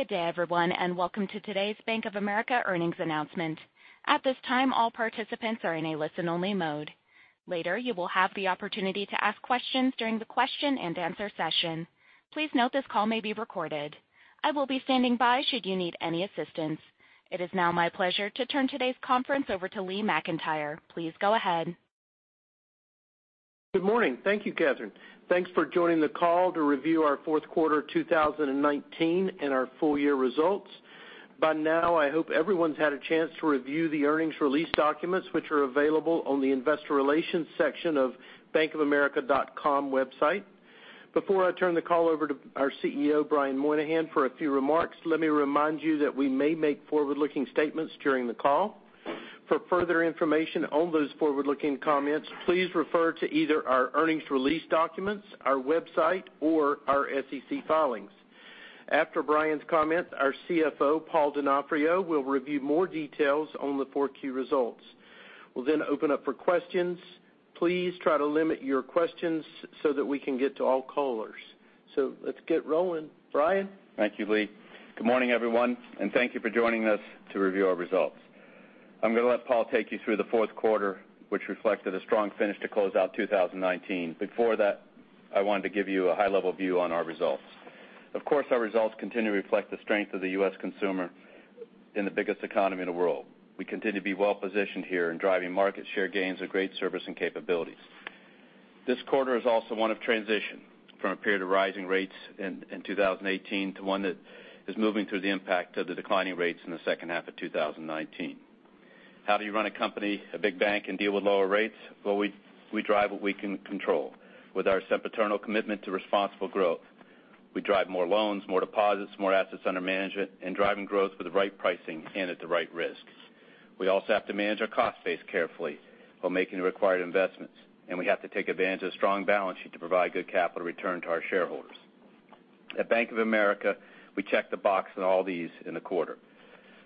Good day, everyone, and welcome to today's Bank of America earnings announcement. At this time, all participants are in a listen-only mode. Later, you will have the opportunity to ask questions during the question-and-answer session. Please note this call may be recorded. I will be standing by should you need any assistance. It is now my pleasure to turn today's conference over to Lee McEntire. Please go ahead. Good morning. Thank you, Katherine. Thanks for joining the call to review our fourth quarter 2019 and our full-year results. By now, I hope everyone's had a chance to review the earnings release documents which are available on the investor relations section of bankofamerica.com website. Before I turn the call over to our CEO, Brian Moynihan, for a few remarks, let me remind you that we may make forward-looking statements during the call. For further information on those forward-looking comments, please refer to either our earnings release documents, our website, or our SEC filings. After Brian's comments, our CFO, Paul Donofrio, will review more details on the four-key results. We'll open up for questions. Please try to limit your questions so that we can get to all callers. Let's get rolling. Brian? Thank you, Lee. Good morning, everyone, and thank you for joining us to review our results. I'm going to let Paul take you through the fourth quarter, which reflected a strong finish to close out 2019. Before that, I wanted to give you a high-level view on our results. Of course, our results continue to reflect the strength of the U.S. consumer in the biggest economy in the world. We continue to be well-positioned here in driving market share gains and great service and capabilities. This quarter is also one of transition from a period of rising rates in 2018 to one that is moving through the impact of the declining rates in the second half of 2019. How do you run a company, a big bank, and deal with lower rates? Well, we drive what we can control. With our sempiternal commitment to responsible growth, we drive more loans, more deposits, more assets under management, driving growth with the right pricing and at the right risks. We also have to manage our cost base carefully while making the required investments, we have to take advantage of the strong balance sheet to provide good capital return to our shareholders. At Bank of America, we checked the box on all these in the quarter.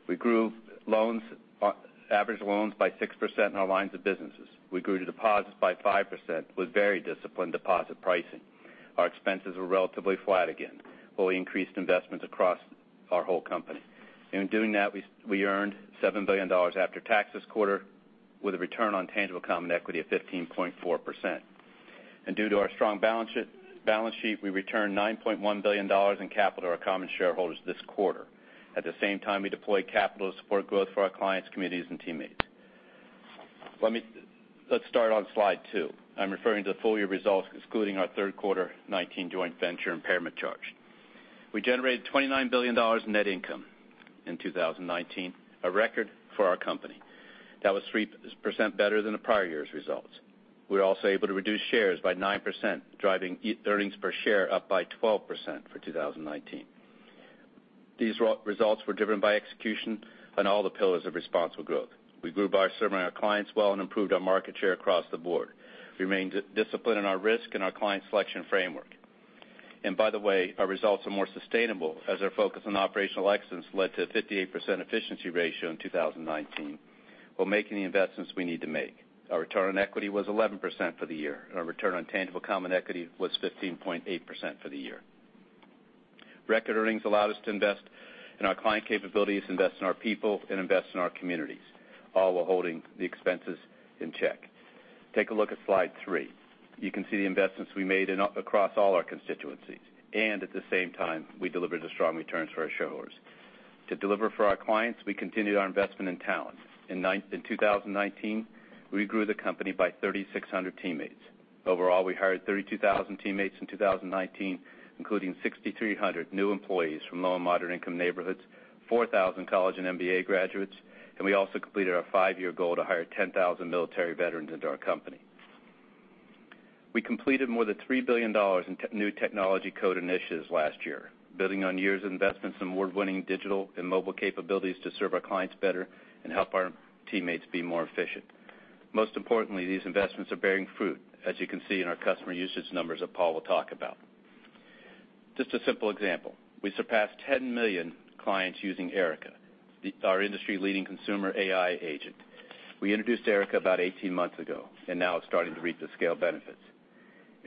We grew average loans by 6% in our lines of businesses. We grew deposits by 5% with very disciplined deposit pricing. Our expenses were relatively flat again, while we increased investments across our whole company. In doing that, we earned $7 billion after-tax this quarter with a return on tangible common equity of 15.4%. Due to our strong balance sheet, we returned $9.1 billion in capital to our common shareholders this quarter. At the same time, we deployed capital to support growth for our clients, communities, and teammates. Let's start on slide two. I'm referring to full-year results excluding our third quarter 2019 joint venture impairment charge. We generated $29 billion net income in 2019, a record for our company. That was 3% better than the prior year's results. We were also able to reduce shares by 9%, driving earnings per share up by 12% for 2019. These results were driven by execution on all the pillars of responsible growth. We grew by serving our clients well and improved our market share across the board. We remained disciplined in our risk and our client selection framework. By the way, our results are more sustainable as our focus on operational excellence led to a 58% efficiency ratio in 2019. We're making the investments we need to make. Our return on equity was 11% for the year, and our return on tangible common equity was 15.8% for the year. Record earnings allowed us to invest in our client capabilities, invest in our people, and invest in our communities, all while holding the expenses in check. Take a look at slide three. You can see the investments we made across all our constituencies. At the same time, we delivered the strong returns for our shareholders. To deliver for our clients, we continued our investment in talent. In 2019, we grew the company by 3,600 teammates. Overall, we hired 32,000 teammates in 2019, including 6,300 new employees from low and moderate-income neighborhoods, 4,000 college and MBA graduates, and we also completed our five-year goal to hire 10,000 military veterans into our company. We completed more than $3 billion in new technology code initiatives last year, building on years of investments in award-winning digital and mobile capabilities to serve our clients better and help our teammates be more efficient. Most importantly, these investments are bearing fruit, as you can see in our customer usage numbers that Paul will talk about. Just a simple example. We surpassed 10 million clients using Erica, our industry-leading consumer AI agent. We introduced Erica about 18 months ago, and now it's starting to reap the scale benefits.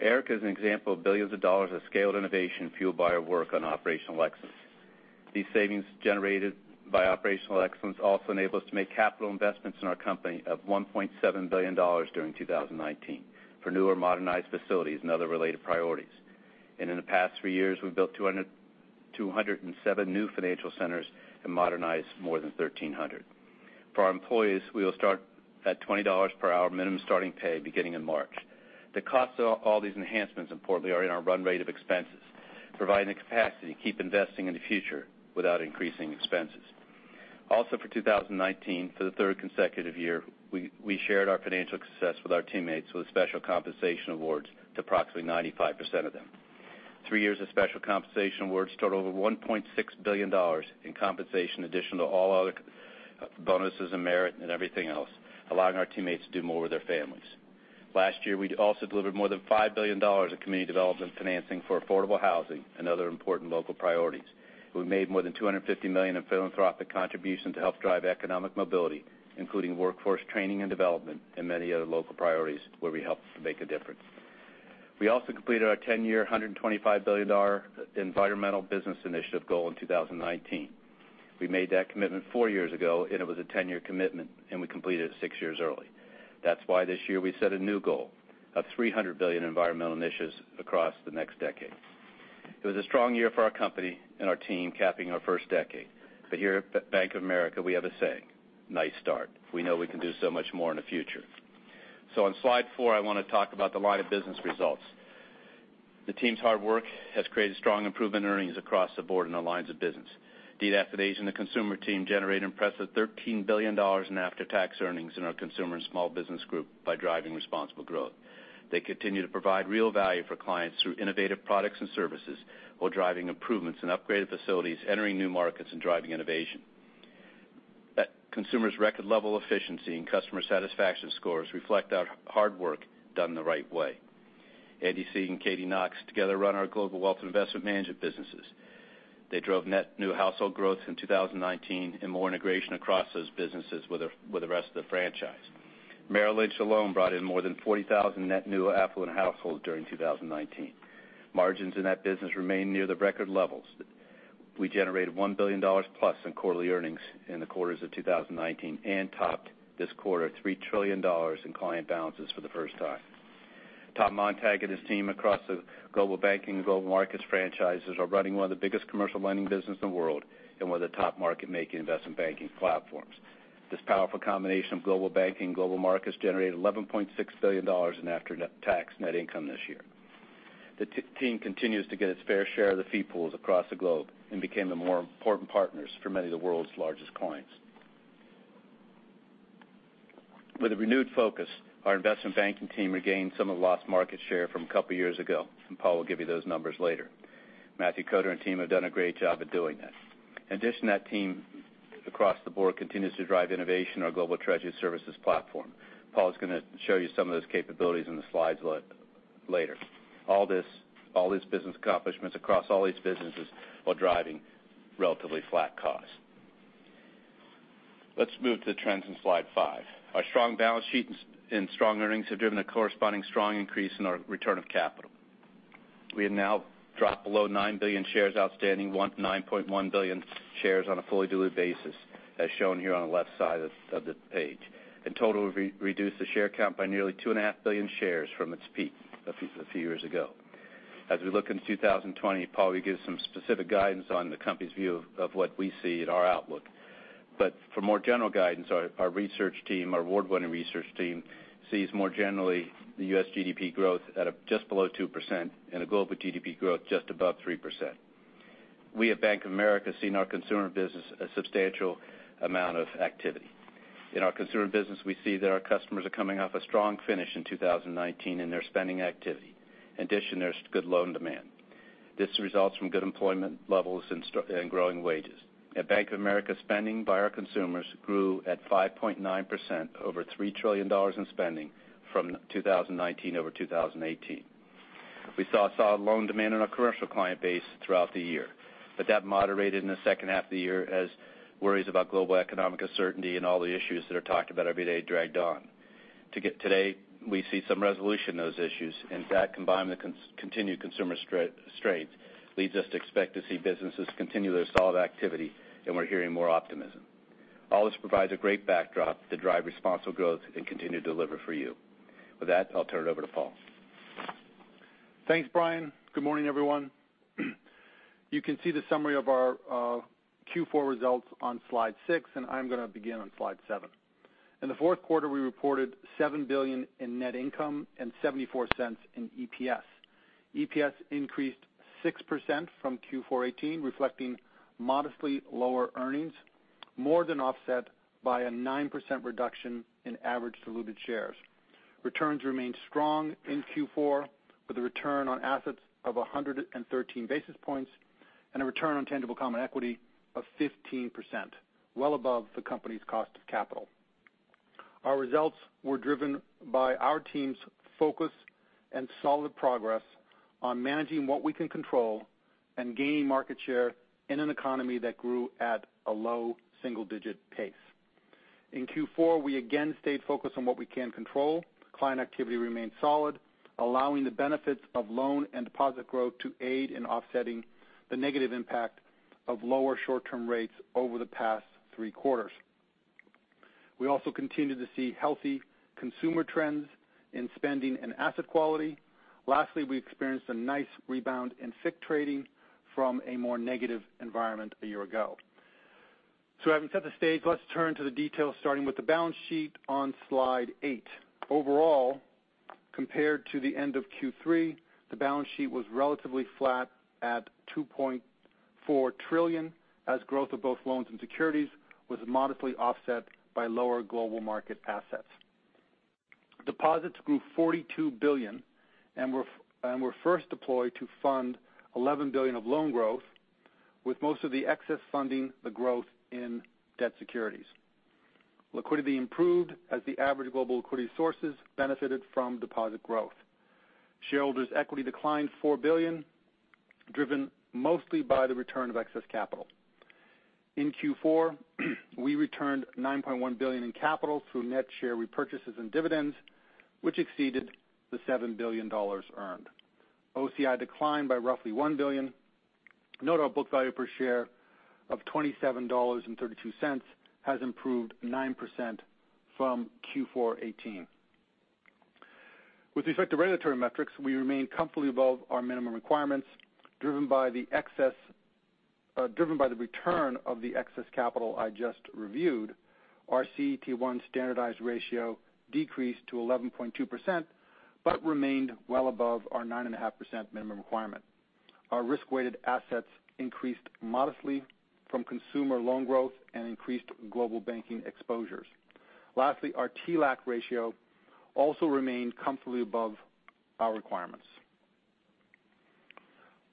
Erica is an example of billions of dollars of scaled innovation fueled by our work on operational excellence. These savings generated by operational excellence also enable us to make capital investments in our company of $1.7 billion during 2019 for new or modernized facilities and other related priorities. In the past 3 years, we've built 207 new financial centers and modernized more than 1,300. For our employees, we will start at $20 per hour minimum starting pay beginning in March. The cost of all these enhancements, importantly, are in our run rate of expenses, providing the capacity to keep investing in the future without increasing expenses. For 2019, for the third consecutive year, we shared our financial success with our teammates with special compensation awards to approximately 95% of them. 3 years of special compensation awards total over $1.6 billion in compensation, additional to all other bonuses and merit and everything else, allowing our teammates to do more with their families. Last year, we also delivered more than $5 billion of community development financing for affordable housing and other important local priorities. We made more than $250 million in philanthropic contributions to help drive economic mobility, including workforce training and development and many other local priorities where we helped to make a difference. We also completed our 10-year, $125 billion environmental business initiative goal in 2019. We made that commitment four years ago, and it was a 10-year commitment, and we completed it six years early. This year we set a new goal of $300 billion in environmental initiatives across the next decade. It was a strong year for our company and our team, capping our first decade. Here at Bank of America, we have a saying, "Nice start." We know we can do so much more in the future. On slide four, I want to talk about the line of business results. The team's hard work has created strong improvement in earnings across the board in the lines of business. Dean Athanasia, the consumer team generated an impressive $13 billion in after-tax earnings in our consumer and small business group by driving responsible growth. They continue to provide real value for clients through innovative products and services while driving improvements in upgraded facilities, entering new markets, and driving innovation. That consumer's record level efficiency and customer satisfaction scores reflect our hard work done the right way. Andy Sieg and Katy Knox together run our Global Wealth and Investment Management businesses. They drove net new household growth in 2019 and more integration across those businesses with the rest of the franchise. Merrill Lynch alone brought in more than 40,000 net new affluent households during 2019. Margins in that business remain near the record levels. We generated $1 billion plus in quarterly earnings in the quarters of 2019 and topped this quarter, $3 trillion in client balances for the first time. Tom Montag and his team across the Global Banking and Global Markets franchises are running one of the biggest commercial lending business in the world and one of the top market-making investment banking platforms. This powerful combination of Global Banking and Global Markets generated $11.6 billion in after-tax net income this year. The team continues to get its fair share of the fee pools across the globe and became the more important partners for many of the world's largest clients. With a renewed focus, our investment banking team regained some of the lost market share from a couple of years ago. Paul will give you those numbers later. Matthew Koder and team have done a great job at doing that. In addition to that, team across the board continues to drive innovation in our Global Treasury Services platform. Paul's going to show you some of those capabilities in the slides later. All these business accomplishments across all these businesses while driving relatively flat costs. Let's move to trends in slide five. Our strong balance sheet and strong earnings have driven a corresponding strong increase in our return of capital. We have now dropped below 9 billion shares outstanding, 9.1 billion shares on a fully diluted basis, as shown here on the left side of the page. In total, we've reduced the share count by nearly 2.5 billion shares from its peak a few years ago. As we look into 2020, Paul will give some specific guidance on the company's view of what we see in our outlook. For more general guidance, our research team, our award-winning research team, sees more generally the U.S. GDP growth at just below 2% and a global GDP growth just above 3%. We at Bank of America have seen our consumer business a substantial amount of activity. In our consumer business, we see that our customers are coming off a strong finish in 2019 in their spending activity. In addition, there's good loan demand. This results from good employment levels and growing wages. At Bank of America, spending by our consumers grew at 5.9%, over $3 trillion in spending from 2019 over 2018. We saw loan demand in our commercial client base throughout the year, that moderated in the second half of the year as worries about global economic uncertainty and all the issues that are talked about every day dragged on. To get today, we see some resolution to those issues, and that combined with the continued consumer strength leads us to expect to see businesses continue their solid activity, and we're hearing more optimism. All this provides a great backdrop to drive responsible growth and continue to deliver for you. With that, I'll turn it over to Paul. Thanks, Brian. Good morning, everyone. You can see the summary of our Q4 results on slide six, and I'm going to begin on slide seven. In the fourth quarter, we reported $7 billion in net income and $0.74 in EPS. EPS increased 6% from Q4 '18, reflecting modestly lower earnings, more than offset by a 9% reduction in average diluted shares. Returns remained strong in Q4, with a return on assets of 113 basis points and a return on tangible common equity of 15%, well above the company's cost of capital. Our results were driven by our team's focus and solid progress on managing what we can control and gaining market share in an economy that grew at a low single-digit pace. In Q4, we again stayed focused on what we can control. Client activity remained solid, allowing the benefits of loan and deposit growth to aid in offsetting the negative impact of lower short-term rates over the past three quarters. We also continued to see healthy consumer trends in spending and asset quality. We experienced a nice rebound in FICC trading from a more negative environment a year ago. Having set the stage, let's turn to the details, starting with the balance sheet on Slide eight. Overall, compared to the end of Q3, the balance sheet was relatively flat at $2.4 trillion as growth of both loans and securities was modestly offset by lower global market assets. Deposits grew $42 billion and were first deployed to fund $11 billion of loan growth, with most of the excess funding the growth in debt securities. Liquidity improved as the average global liquidity sources benefited from deposit growth. Shareholders' equity declined $4 billion, driven mostly by the return of excess capital. In Q4, we returned $9.1 billion in capital through net share repurchases and dividends, which exceeded the $7 billion earned. OCI declined by roughly $1 billion. Note our book value per share of $27.32 has improved 9% from Q4 2018. With respect to regulatory metrics, we remain comfortably above our minimum requirements, driven by the return of the excess capital I just reviewed. Our CET1 standardized ratio decreased to 11.2%, but remained well above our 9.5% minimum requirement. Our risk-weighted assets increased modestly from consumer loan growth and increased Global Banking exposures. Lastly, our TLAC ratio also remained comfortably above our requirements.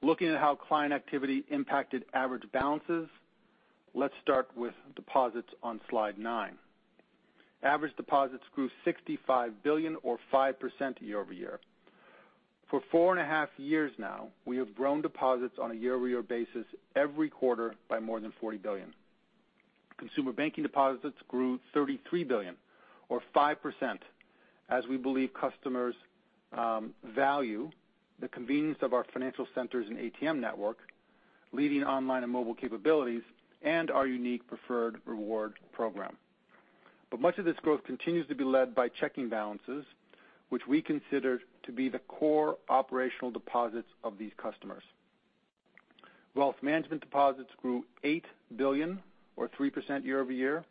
Looking at how client activity impacted average balances, let's start with deposits on slide nine. Average deposits grew $65 billion or 5% year-over-year. For four and a half years now, we have grown deposits on a year-over-year basis every quarter by more than $40 billion. Consumer Banking deposits grew $33 billion, or 5%, as we believe customers value the convenience of our financial centers and ATM network, leading online and mobile capabilities, and our unique preferred reward program. Much of this growth continues to be led by checking balances, which we consider to be the core operational deposits of these customers. Wealth Management deposits grew $8 billion, or 3% year-over-year.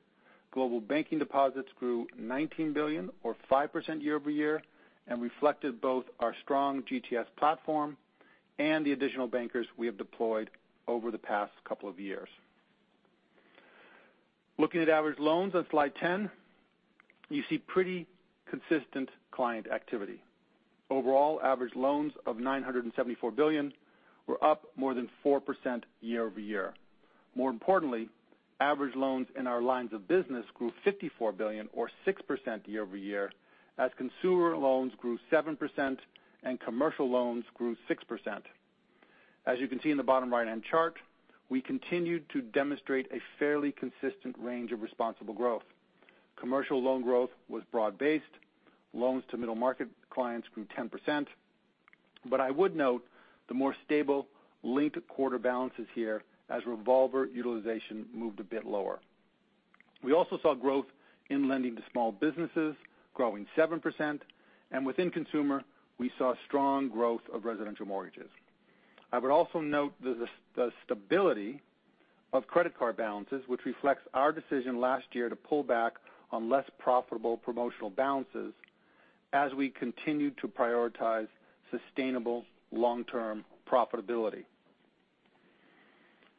Global Banking deposits grew $19 billion, or 5% year-over-year, and reflected both our strong GTS platform and the additional bankers we have deployed over the past couple of years. Looking at average loans on slide 10, you see pretty consistent client activity. Overall, average loans of $974 billion were up more than 4% year-over-year. More importantly, average loans in our lines of business grew $54 billion or 6% year-over-year, as consumer loans grew 7% and commercial loans grew 6%. As you can see in the bottom right-hand chart, we continued to demonstrate a fairly consistent range of responsible growth. Commercial loan growth was broad-based. Loans to middle-market clients grew 10%, but I would note the more stable linked quarter balances here as revolver utilization moved a bit lower. We also saw growth in lending to small businesses, growing 7%, and within consumer, we saw strong growth of residential mortgages. I would also note the stability of credit card balances, which reflects our decision last year to pull back on less profitable promotional balances as we continued to prioritize sustainable long-term profitability.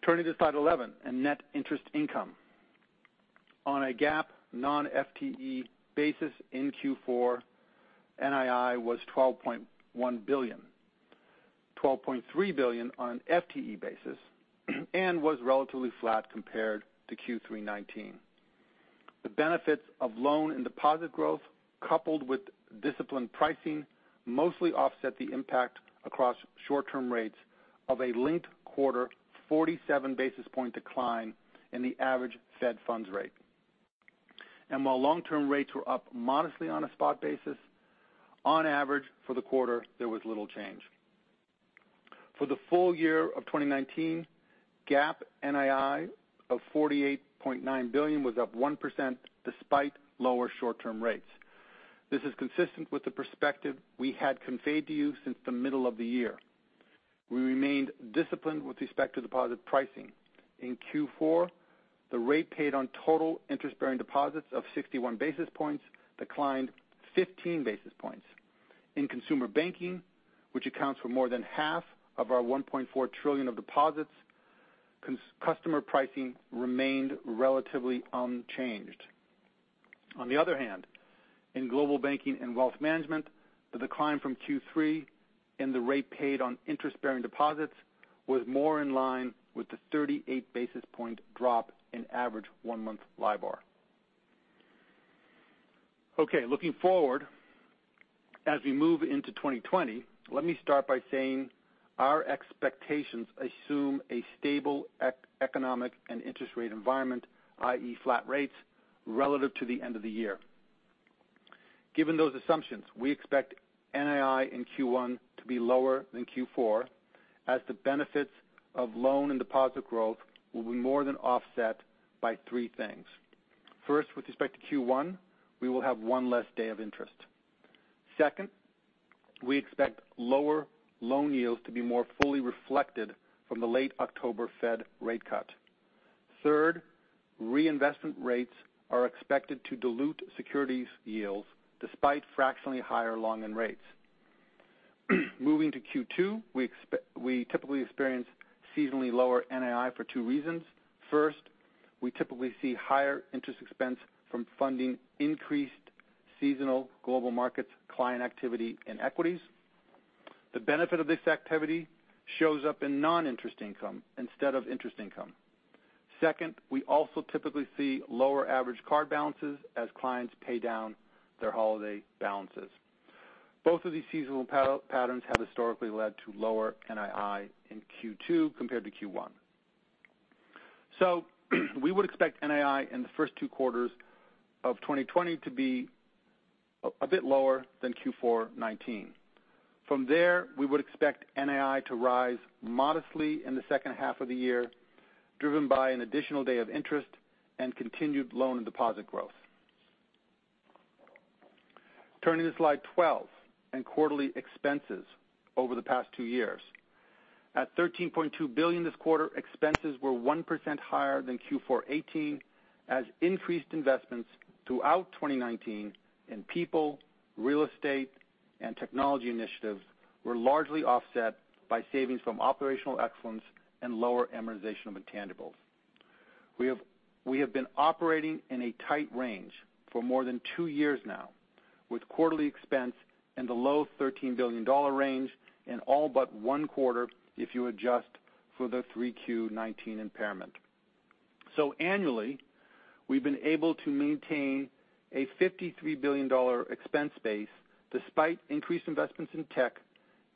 Turning to slide 11 and net interest income. On a GAAP non-FTE basis in Q4, NII was $12.1 billion, $12.3 billion on an FTE basis, and was relatively flat compared to Q3 2019. The benefits of loan and deposit growth, coupled with disciplined pricing, mostly offset the impact across short-term rates of a linked quarter 47 basis point decline in the average Fed funds rate. While long-term rates were up modestly on a spot basis, on average for the quarter, there was little change. For the full year of 2019, GAAP NII of $48.9 billion was up 1% despite lower short-term rates. This is consistent with the perspective we had conveyed to you since the middle of the year. We remained disciplined with respect to deposit pricing. In Q4, the rate paid on total interest-bearing deposits of 61 basis points declined 15 basis points. In Consumer Banking, which accounts for more than half of our $1.4 trillion of deposits, customer pricing remained relatively unchanged. On the other hand, in Global Banking and Wealth Management, the decline from Q3 in the rate paid on interest-bearing deposits was more in line with the 38 basis point drop in average one-month LIBOR. Okay, looking forward, as we move into 2020, let me start by saying our expectations assume a stable economic and interest rate environment, i.e., flat rates, relative to the end of the year. Given those assumptions, we expect NII in Q1 to be lower than Q4, as the benefits of loan and deposit growth will be more than offset by three things. First, with respect to Q1, we will have one less day of interest. Second, we expect lower loan yields to be more fully reflected from the late October Fed rate cut. Third, reinvestment rates are expected to dilute securities yields despite fractionally higher long-end rates. Moving to Q2, we typically experience seasonally lower NII for two reasons. First, we typically see higher interest expense from funding increased seasonal Global Markets client activity in equities. The benefit of this activity shows up in non-interest income instead of interest income. Second, we also typically see lower average card balances as clients pay down their holiday balances. Both of these seasonal patterns have historically led to lower NII in Q2 compared to Q1. We would expect NII in the first two quarters of 2020 to be a bit lower than Q4 2019. From there, we would expect NII to rise modestly in the second half of the year, driven by an additional day of interest and continued loan and deposit growth. Turning to slide 12, and quarterly expenses over the past two years. At $13.2 billion this quarter, expenses were 1% higher than Q4 2018, as increased investments throughout 2019 in people, real estate, and technology initiatives were largely offset by savings from operational excellence and lower amortization of intangibles. We have been operating in a tight range for more than two years now, with quarterly expense in the low $13 billion range in all but one quarter if you adjust for the 3Q 2019 impairment. Annually, we've been able to maintain a $53 billion expense base despite increased investments in tech,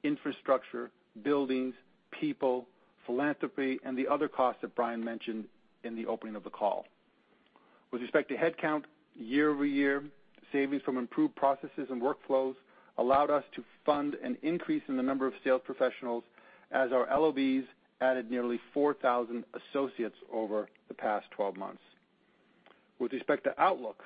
infrastructure, buildings, people, philanthropy, and the other costs that Brian mentioned in the opening of the call. With respect to headcount, year-over-year, savings from improved processes and workflows allowed us to fund an increase in the number of sales professionals as our LOBs added nearly 4,000 associates over the past 12 months. With respect to outlook,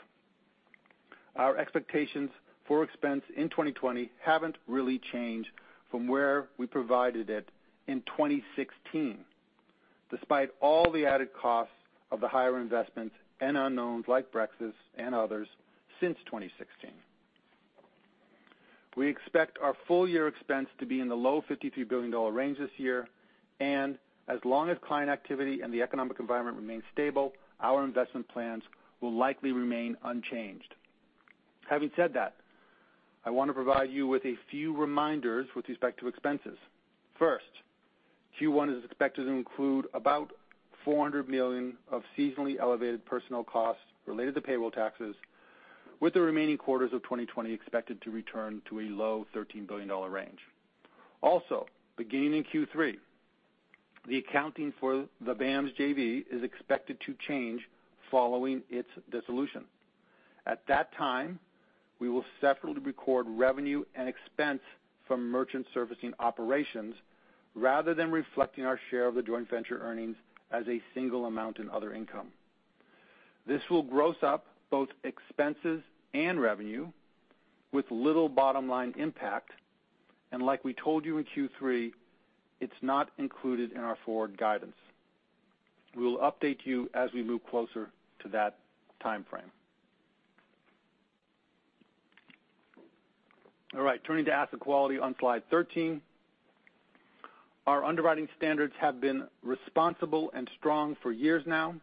our expectations for expense in 2020 haven't really changed from where we provided it in 2016, despite all the added costs of the higher investments and unknowns like Brexit and others since 2016. We expect our full year expense to be in the low $53 billion range this year, and as long as client activity and the economic environment remain stable, our investment plans will likely remain unchanged. Having said that, I want to provide you with a few reminders with respect to expenses. First, Q1 is expected to include about $400 million of seasonally elevated personnel costs related to payroll taxes, with the remaining quarters of 2020 expected to return to a low $13 billion range. Also, beginning in Q3, the accounting for the BAMS JV is expected to change following its dissolution. At that time, we will separately record revenue and expense from merchant servicing operations, rather than reflecting our share of the joint venture earnings as a single amount in other income. Like we told you in Q3, it's not included in our forward guidance. We will update you as we move closer to that timeframe. All right, turning to asset quality on slide 13. Our underwriting standards have been responsible and strong for years now.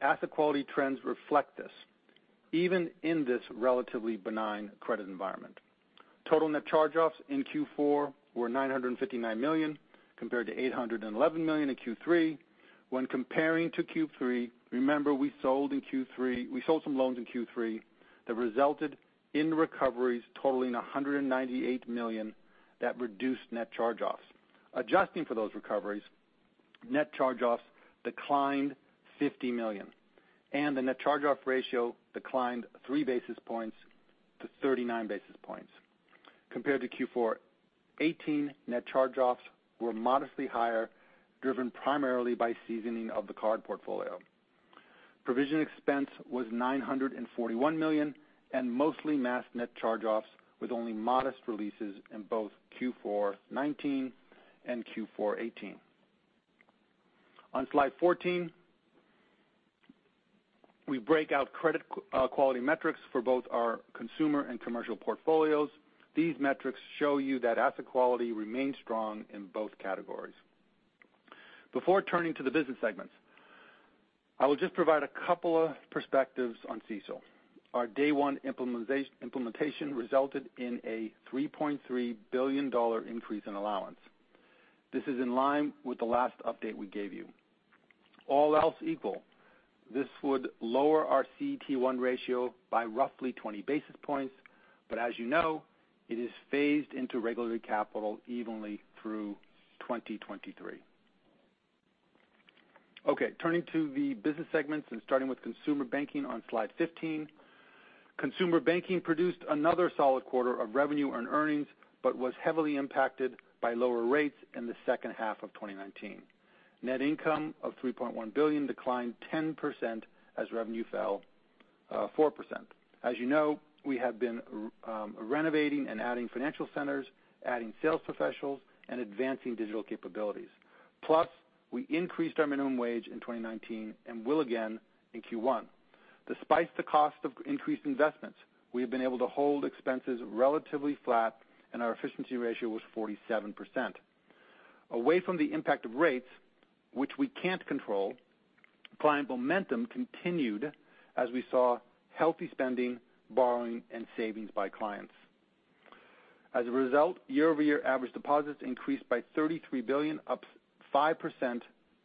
Asset quality trends reflect this, even in this relatively benign credit environment. Total net charge-offs in Q4 were $959 million, compared to $811 million in Q3. When comparing to Q3, remember, we sold some loans in Q3 that resulted in recoveries totaling $198 million that reduced net charge-offs. Adjusting for those recoveries, net charge-offs declined $50 million, and the net charge-off ratio declined three basis points to 39 basis points. Compared to Q4 2018, net charge-offs were modestly higher, driven primarily by seasoning of the card portfolio. Provision expense was $941 million, and mostly masked net charge-offs with only modest releases in both Q4 2019 and Q4 2018. On slide 14, we break out credit quality metrics for both our consumer and commercial portfolios. These metrics show you that asset quality remains strong in both categories. Before turning to the business segments, I will just provide a couple of perspectives on CECL. Our day one implementation resulted in a $3.3 billion increase in allowance. This is in line with the last update we gave you. All else equal, this would lower our CET1 ratio by roughly 20 basis points, but as you know, it is phased into regulatory capital evenly through 2023. Okay, turning to the business segments and starting with Consumer Banking on slide 15. Consumer Banking produced another solid quarter of revenue and earnings, but was heavily impacted by lower rates in the second half of 2019. Net income of $3.1 billion declined 10% as revenue fell 4%. As you know, we have been renovating and adding financial centers, adding sales professionals, and advancing digital capabilities. Plus, we increased our minimum wage in 2019 and will again in Q1. Despite the cost of increased investments, we have been able to hold expenses relatively flat, and our efficiency ratio was 47%. Away from the impact of rates, which we can't control, client momentum continued as we saw healthy spending, borrowing, and savings by clients. As a result, year-over-year average deposits increased by $33 billion, up 5%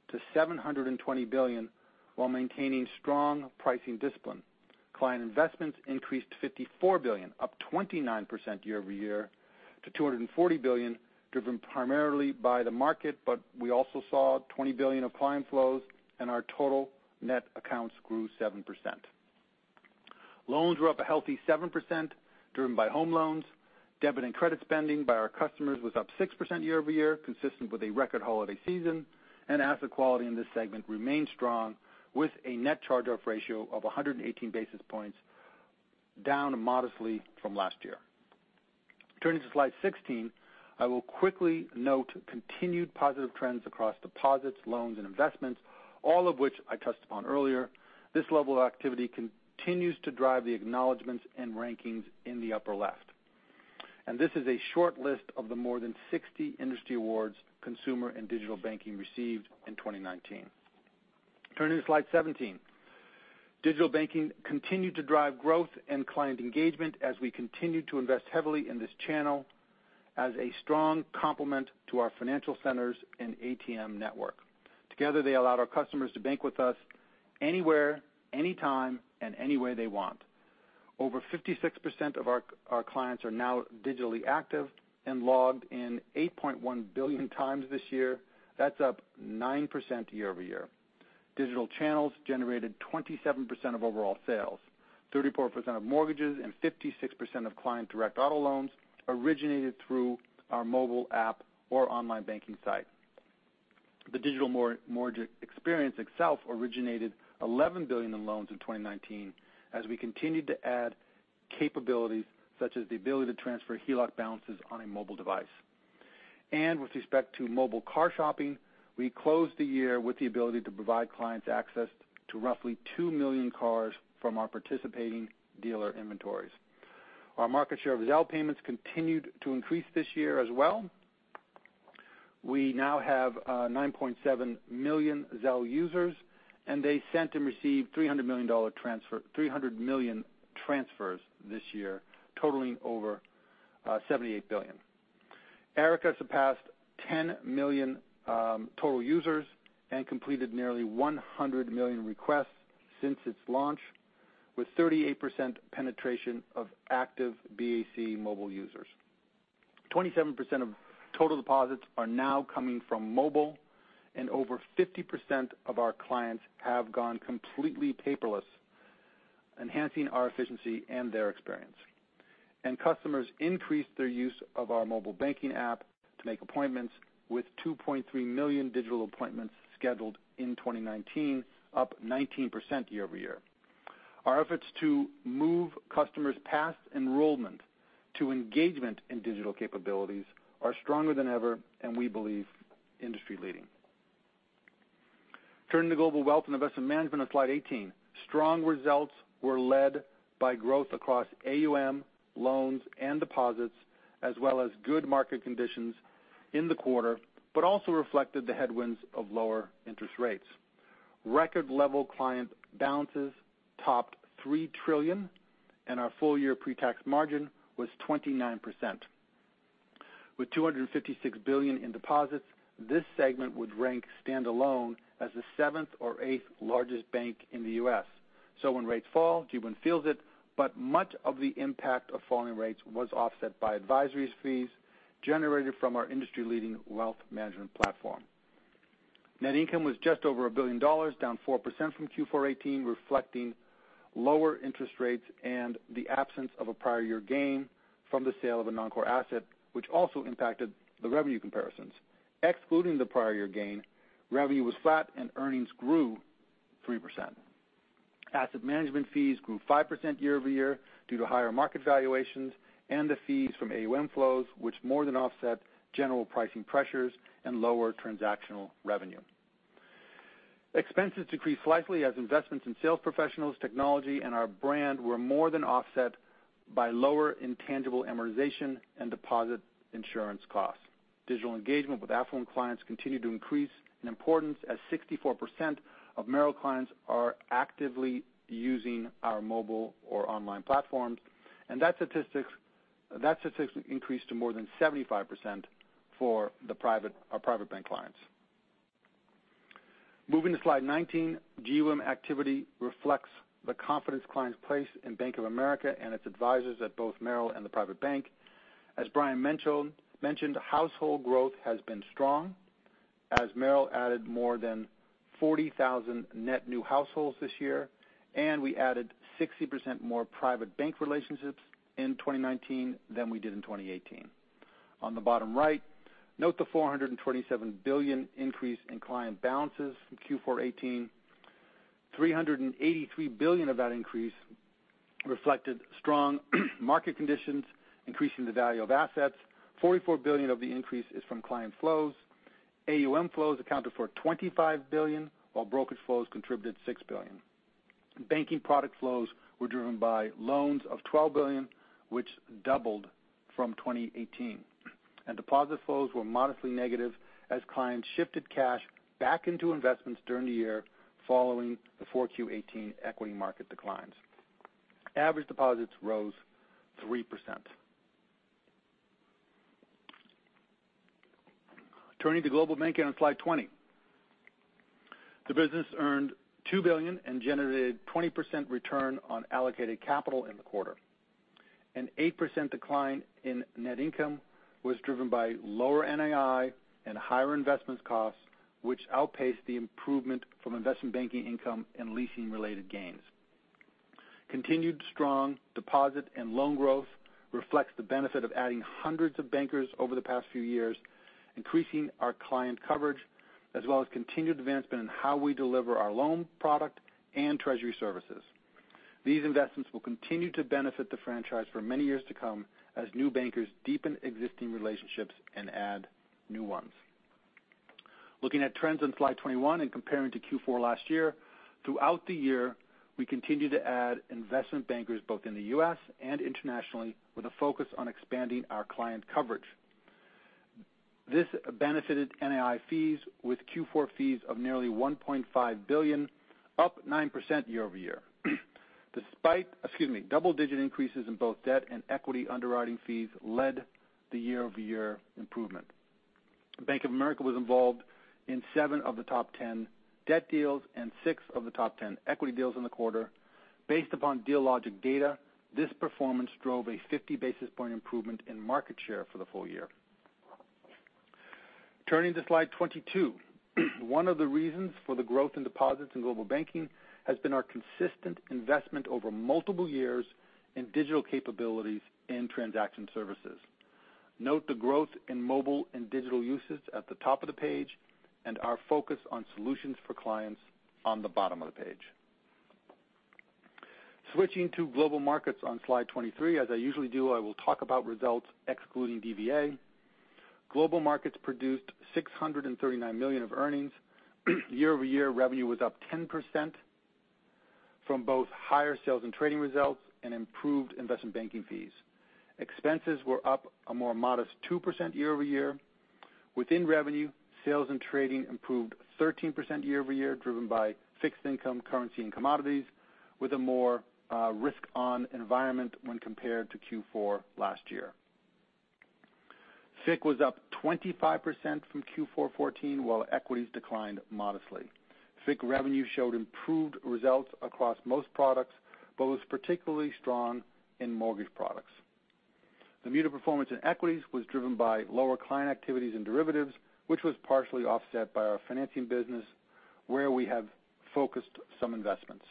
to $720 billion while maintaining strong pricing discipline. Client investments increased to $54 billion, up 29% year-over-year to $240 billion, driven primarily by the market. We also saw $20 billion of client flows. Our total net accounts grew 7%. Loans were up a healthy 7%, driven by home loans. Debit and credit spending by our customers was up 6% year-over-year, consistent with a record holiday season. Asset quality in this segment remained strong with a net charge-off ratio of 118 basis points, down modestly from last year. Turning to slide 16, I will quickly note continued positive trends across deposits, loans, and investments, all of which I touched upon earlier. This level of activity continues to drive the acknowledgments and rankings in the upper left. This is a short list of the more than 60 industry awards Consumer and Digital Banking received in 2019. Turning to slide 17. Digital banking continued to drive growth and client engagement as we continued to invest heavily in this channel as a strong complement to our financial centers and ATM network. Together, they allowed our customers to bank with us anywhere, anytime, and any way they want. Over 56% of our clients are now digitally active and logged in 8.1 billion times this year. That's up 9% year-over-year. Digital channels generated 27% of overall sales, 34% of mortgages, and 56% of client direct auto loans originated through our mobile app or online banking site. The digital mortgage experience itself originated $11 billion in loans in 2019, as we continued to add capabilities such as the ability to transfer HELOC balances on a mobile device. With respect to mobile car shopping, we closed the year with the ability to provide clients access to roughly 2 million cars from our participating dealer inventories. Our market share of Zelle payments continued to increase this year as well. We now have 9.7 million Zelle users, and they sent and received 300 million transfers this year, totaling over $78 billion. Erica surpassed 10 million total users and completed nearly 100 million requests since its launch, with 38% penetration of active BAC mobile users. 27% of total deposits are now coming from mobile, and over 50% of our clients have gone completely paperless, enhancing our efficiency and their experience. Customers increased their use of our mobile banking app to make appointments with 2.3 million digital appointments scheduled in 2019, up 19% year-over-year. Our efforts to move customers past enrollment to engagement in digital capabilities are stronger than ever, and we believe industry-leading. Turning to Global Wealth and Investment Management on slide 18. Strong results were led by growth across AUM, loans, and deposits, as well as good market conditions in the quarter, but also reflected the headwinds of lower interest rates. Record-level client balances topped $3 trillion, and our full-year pre-tax margin was 29%. With $256 billion in deposits, this segment would rank standalone as the seventh or eighth largest bank in the U.S. When rates fall, GWIM feels it, but much of the impact of falling rates was offset by advisory fees generated from our industry-leading wealth management platform. Net income was just over $1 billion, down 4% from Q4 2018, reflecting lower interest rates and the absence of a prior year gain from the sale of a non-core asset, which also impacted the revenue comparisons. Excluding the prior year gain, revenue was flat and earnings grew 3%. Asset management fees grew 5% year-over-year due to higher market valuations and the fees from AUM flows, which more than offset general pricing pressures and lower transactional revenue. Expenses decreased slightly as investments in sales professionals, technology, and our brand were more than offset by lower intangible amortization and deposit insurance costs. Digital engagement with affluent clients continued to increase in importance as 64% of Merrill clients are actively using our mobile or online platforms, and that statistic increased to more than 75% for our Private Bank clients. Moving to slide 19. GWIM activity reflects the confidence clients place in Bank of America and its advisors at both Merrill and the Private Bank. As Brian mentioned, household growth has been strong as Merrill added more than 40,000 net new households this year, and we added 60% more Private Bank relationships in 2019 than we did in 2018. On the bottom right, note the $427 billion increase in client balances from Q4 2018. $383 billion of that increase reflected strong market conditions, increasing the value of assets. $44 billion of the increase is from client flows. AUM flows accounted for $25 billion, while brokerage flows contributed $6 billion. Banking product flows were driven by loans of $12 billion, which doubled from 2018. Deposit flows were modestly negative as clients shifted cash back into investments during the year following the four Q 2018 equity market declines. Average deposits rose 3%. Turning to Global Banking on Slide 20. The business earned $2 billion and generated a 20% return on allocated capital in the quarter. An 8% decline in net income was driven by lower NII and higher investments costs, which outpaced the improvement from investment banking income and leasing-related gains. Continued strong deposit and loan growth reflects the benefit of adding hundreds of bankers over the past few years, increasing our client coverage, as well as continued advancement in how we deliver our loan product and treasury services. These investments will continue to benefit the franchise for many years to come as new bankers deepen existing relationships and add new ones. Looking at trends on Slide 21 and comparing to Q4 last year, throughout the year, we continued to add investment bankers both in the U.S. and internationally with a focus on expanding our client coverage. This benefited NII fees with Q4 fees of nearly $1.5 billion, up 9% year-over-year. Double-digit increases in both debt and equity underwriting fees led the year-over-year improvement. Bank of America was involved in seven of the top 10 debt deals and six of the top 10 equity deals in the quarter. Based upon Dealogic data, this performance drove a 50-basis-point improvement in market share for the full year. Turning to Slide 22. One of the reasons for the growth in deposits in Global Banking has been our consistent investment over multiple years in digital capabilities in transaction services. Note the growth in mobile and digital usage at the top of the page and our focus on solutions for clients on the bottom of the page. Switching to Global Markets on Slide 23, as I usually do, I will talk about results excluding DVA. Global Markets produced $639 million of earnings. Year-over-year revenue was up 10% from both higher sales and trading results and improved investment banking fees. Expenses were up a more modest 2% year-over-year. Within revenue, sales and trading improved 13% year-over-year, driven by fixed income, currency, and commodities, with a more risk-on environment when compared to Q4 last year. FICC was up 25% from Q4 2014, while equities declined modestly. FICC revenue showed improved results across most products but was particularly strong in mortgage products. The muted performance in equities was driven by lower client activities and derivatives, which was partially offset by our financing business, where we have focused some investments.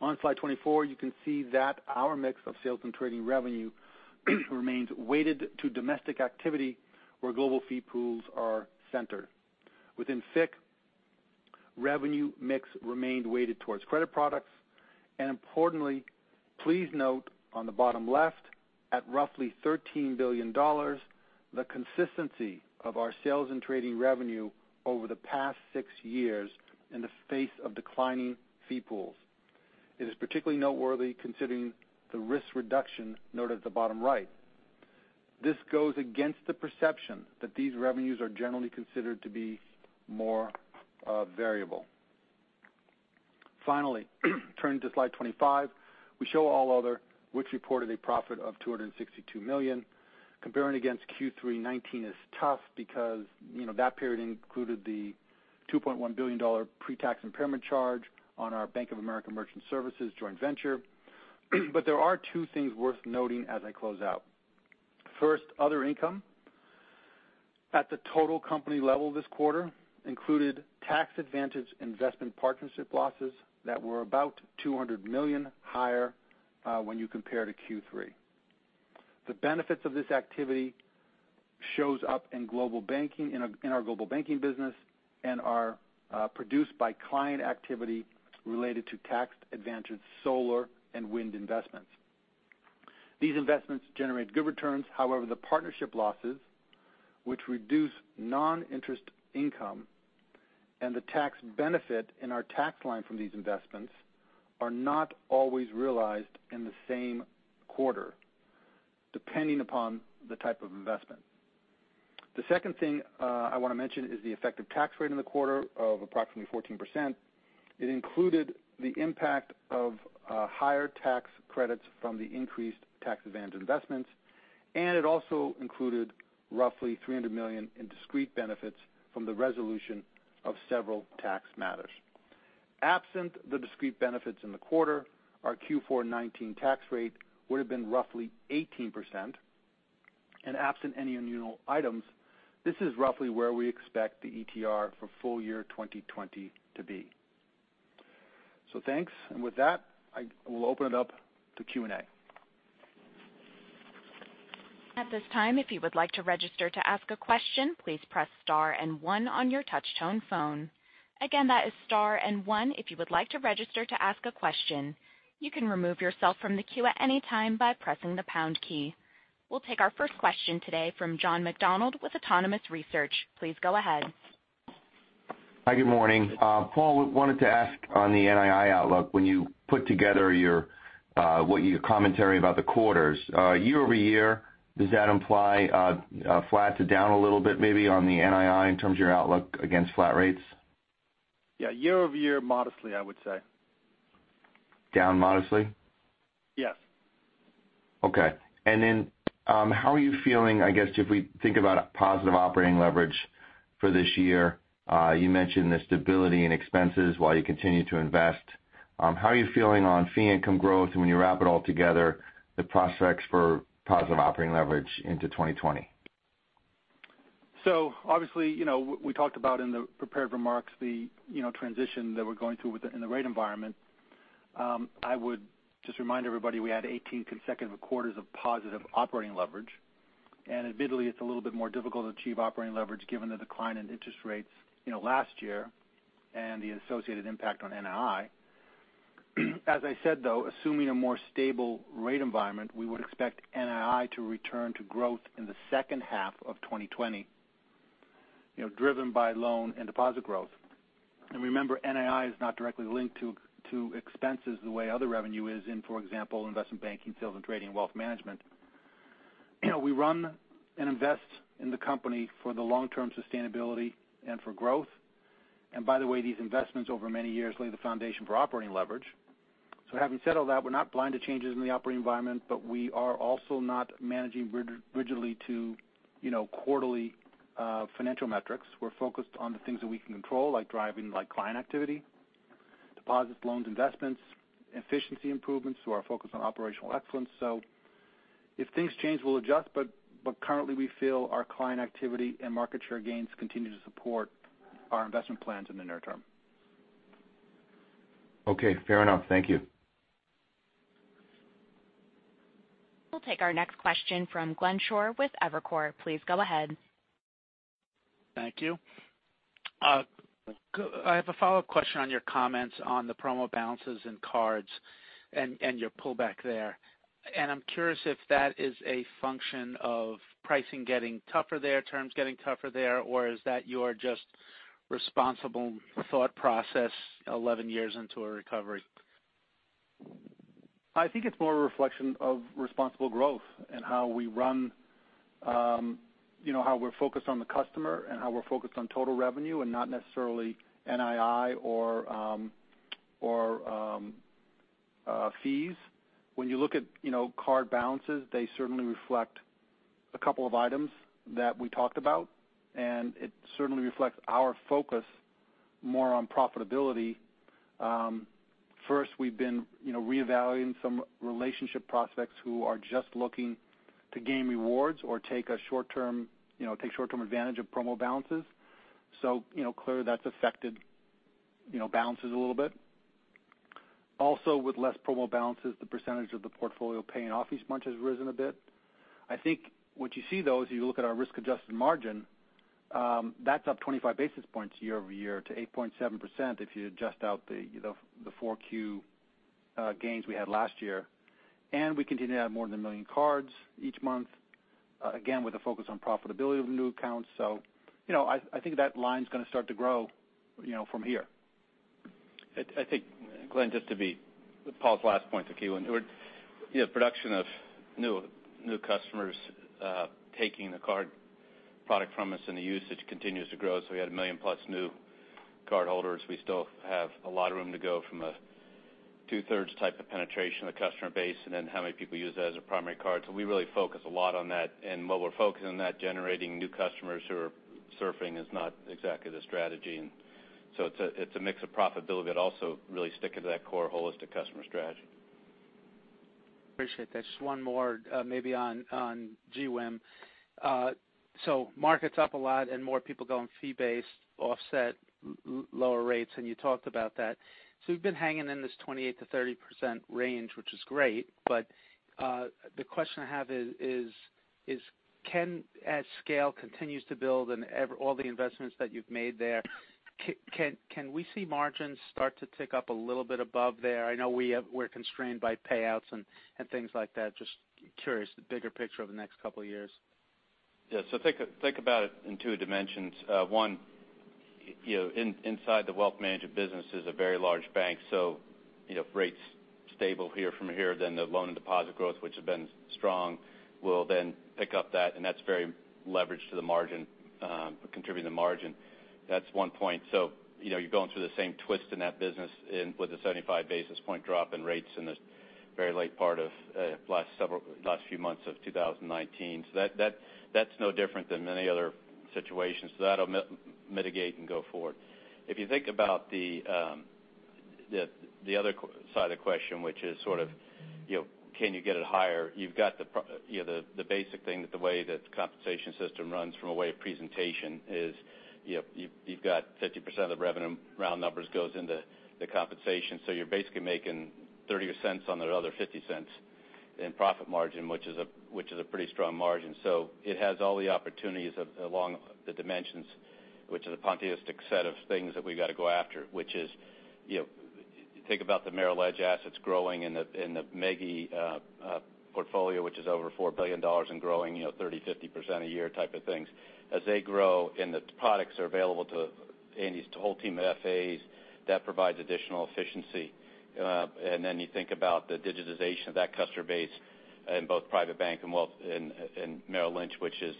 On Slide 24, you can see that our mix of sales and trading revenue remains weighted to domestic activity where global fee pools are centered. Within FICC, revenue mix remained weighted towards credit products. Importantly, please note on the bottom left, at roughly $13 billion, the consistency of our sales and trading revenue over the past six years in the face of declining fee pools. It is particularly noteworthy considering the risk reduction noted at the bottom right. This goes against the perception that these revenues are generally considered to be more variable. Turning to Slide 25, we show all other which reported a profit of $262 million. Comparing against Q3 2019 is tough because that period included the $2.1 billion pre-tax impairment charge on our Bank of America Merchant Services joint venture. There are two things worth noting as I close out. First, other income at the total company level this quarter included tax advantage investment partnership losses that were about $200 million higher when you compare to Q3. The benefits of this activity shows up in our Global Banking business and are produced by client activity related to tax-advantaged solar and wind investments. These investments generate good returns. However, the partnership losses, which reduce non-interest income and the tax benefit in our tax line from these investments, are not always realized in the same quarter, depending upon the type of investment. The second thing I want to mention is the effective tax rate in the quarter of approximately 14%. It included the impact of higher tax credits from the increased tax-advantaged investments, and it also included roughly $300 million in discrete benefits from the resolution of several tax matters. Absent the discrete benefits in the quarter, our Q4 2019 tax rate would have been roughly 18%. Absent any unusual items, this is roughly where we expect the ETR for full-year 2020 to be. Thanks. With that, I will open it up to Q&A. At this time, if you would like to register to ask a question, please press star and one on your touch-tone phone. Again, that is star and one if you would like to register to ask a question. You can remove yourself from the queue at any time by pressing the pound key. We'll take our first question today from John McDonald with Autonomous Research. Please go ahead. Hi, good morning. Paul, wanted to ask on the NII outlook, when you put together your commentary about the quarters. Year-over-year, does that imply flat to down a little bit maybe on the NII in terms of your outlook against flat rates? Yeah. Year-over-year modestly, I would say. Down modestly? Yes. Okay. How are you feeling, I guess, if we think about positive operating leverage for this year? You mentioned the stability in expenses while you continue to invest. How are you feeling on fee income growth and when you wrap it all together, the prospects for positive operating leverage into 2020? Obviously, we talked about in the prepared remarks the transition that we're going through in the rate environment. I would just remind everybody we had 18 consecutive quarters of positive operating leverage, and admittedly, it's a little bit more difficult to achieve operating leverage given the decline in interest rates last year and the associated impact on NII. As I said, though, assuming a more stable rate environment, we would expect NII to return to growth in the second half of 2020, driven by loan and deposit growth. Remember, NII is not directly linked to expenses the way other revenue is in, for example, investment banking, sales and trading, and wealth management. We run and invest in the company for the long-term sustainability and for growth. By the way, these investments over many years lay the foundation for operating leverage. Having said all that, we're not blind to changes in the operating environment, but we are also not managing rigidly to quarterly financial metrics. We're focused on the things that we can control, like driving client activity, deposits, loans, investments, efficiency improvements through our focus on operational excellence. If things change, we'll adjust, but currently we feel our client activity and market share gains continue to support our investment plans in the near term. Okay, fair enough. Thank you. We'll take our next question from Glenn Schorr with Evercore. Please go ahead. Thank you. I have a follow-up question on your comments on the promo balances and cards and your pullback there. I'm curious if that is a function of pricing getting tougher there, terms getting tougher there, or is that your just responsible thought process 11 years into a recovery? I think it's more a reflection of responsible growth and how we're focused on the customer and how we're focused on total revenue and not necessarily NII or fees. You look at card balances, they certainly reflect a couple of items that we talked about, and it certainly reflects our focus more on profitability. First, we've been reevaluating some relationship prospects who are just looking to gain rewards or take short-term advantage of promo balances. Clearly that's affected balances a little bit. Also, with less promo balances, the percentage of the portfolio paying off each month has risen a bit. I think what you see, though, is you look at our risk-adjusted margin, that's up 25 basis points year-over-year to 8.7% if you adjust out the 4Q gains we had last year. We continue to add more than a million cards each month, again, with a focus on profitability of new accounts. I think that line's going to start to grow from here. I think, Glenn, Paul's last point's a key one. Production of new customers taking the card product from us and the usage continues to grow. We had 1 million plus new cardholders. We still have a lot of room to go from a two-thirds type of penetration of the customer base, and then how many people use that as a primary card. We really focus a lot on that. While we're focused on that, generating new customers who are surfing is not exactly the strategy. It's a mix of profitability, but also really sticking to that core holistic customer strategy. Appreciate that. Just one more maybe on GWIM. Market's up a lot and more people going fee-based offset lower rates, and you talked about that. You've been hanging in this 28%-30% range, which is great. The question I have is can, as scale continues to build and all the investments that you've made there, can we see margins start to tick up a little bit above there? I know we're constrained by payouts and things like that. Just curious, the bigger picture over the next couple of years. Yeah. Think about it in two dimensions. One, inside the Wealth Management business is a very large bank, if rates stable here from here, the loan and deposit growth, which have been strong, will pick up that's very leveraged to the margin, contributing to margin. That's one point. You're going through the same twist in that business with a 75 basis point drop in rates in the very late part of last few months of 2019. That's no different than many other situations. That'll mitigate and go forward. If you think about the other side of the question, which is sort of can you get it higher? You've got the basic thing that the way that the compensation system runs from a way of presentation is you've got 50% of the revenue, round numbers, goes into the compensation. You're basically making $0.30 on the other $0.50 in profit margin, which is a pretty strong margin. It has all the opportunities along the dimensions, which is a specific set of things that we've got to go after, which is, think about the Merrill Edge assets growing in the MEGI portfolio, which is over $4 billion and growing 30%-50% a year type of things. As they grow and the products are available to Andy's whole team of FAs, that provides additional efficiency. You think about the digitization of that customer base in both Private Bank and wealth in Merrill Lynch, which is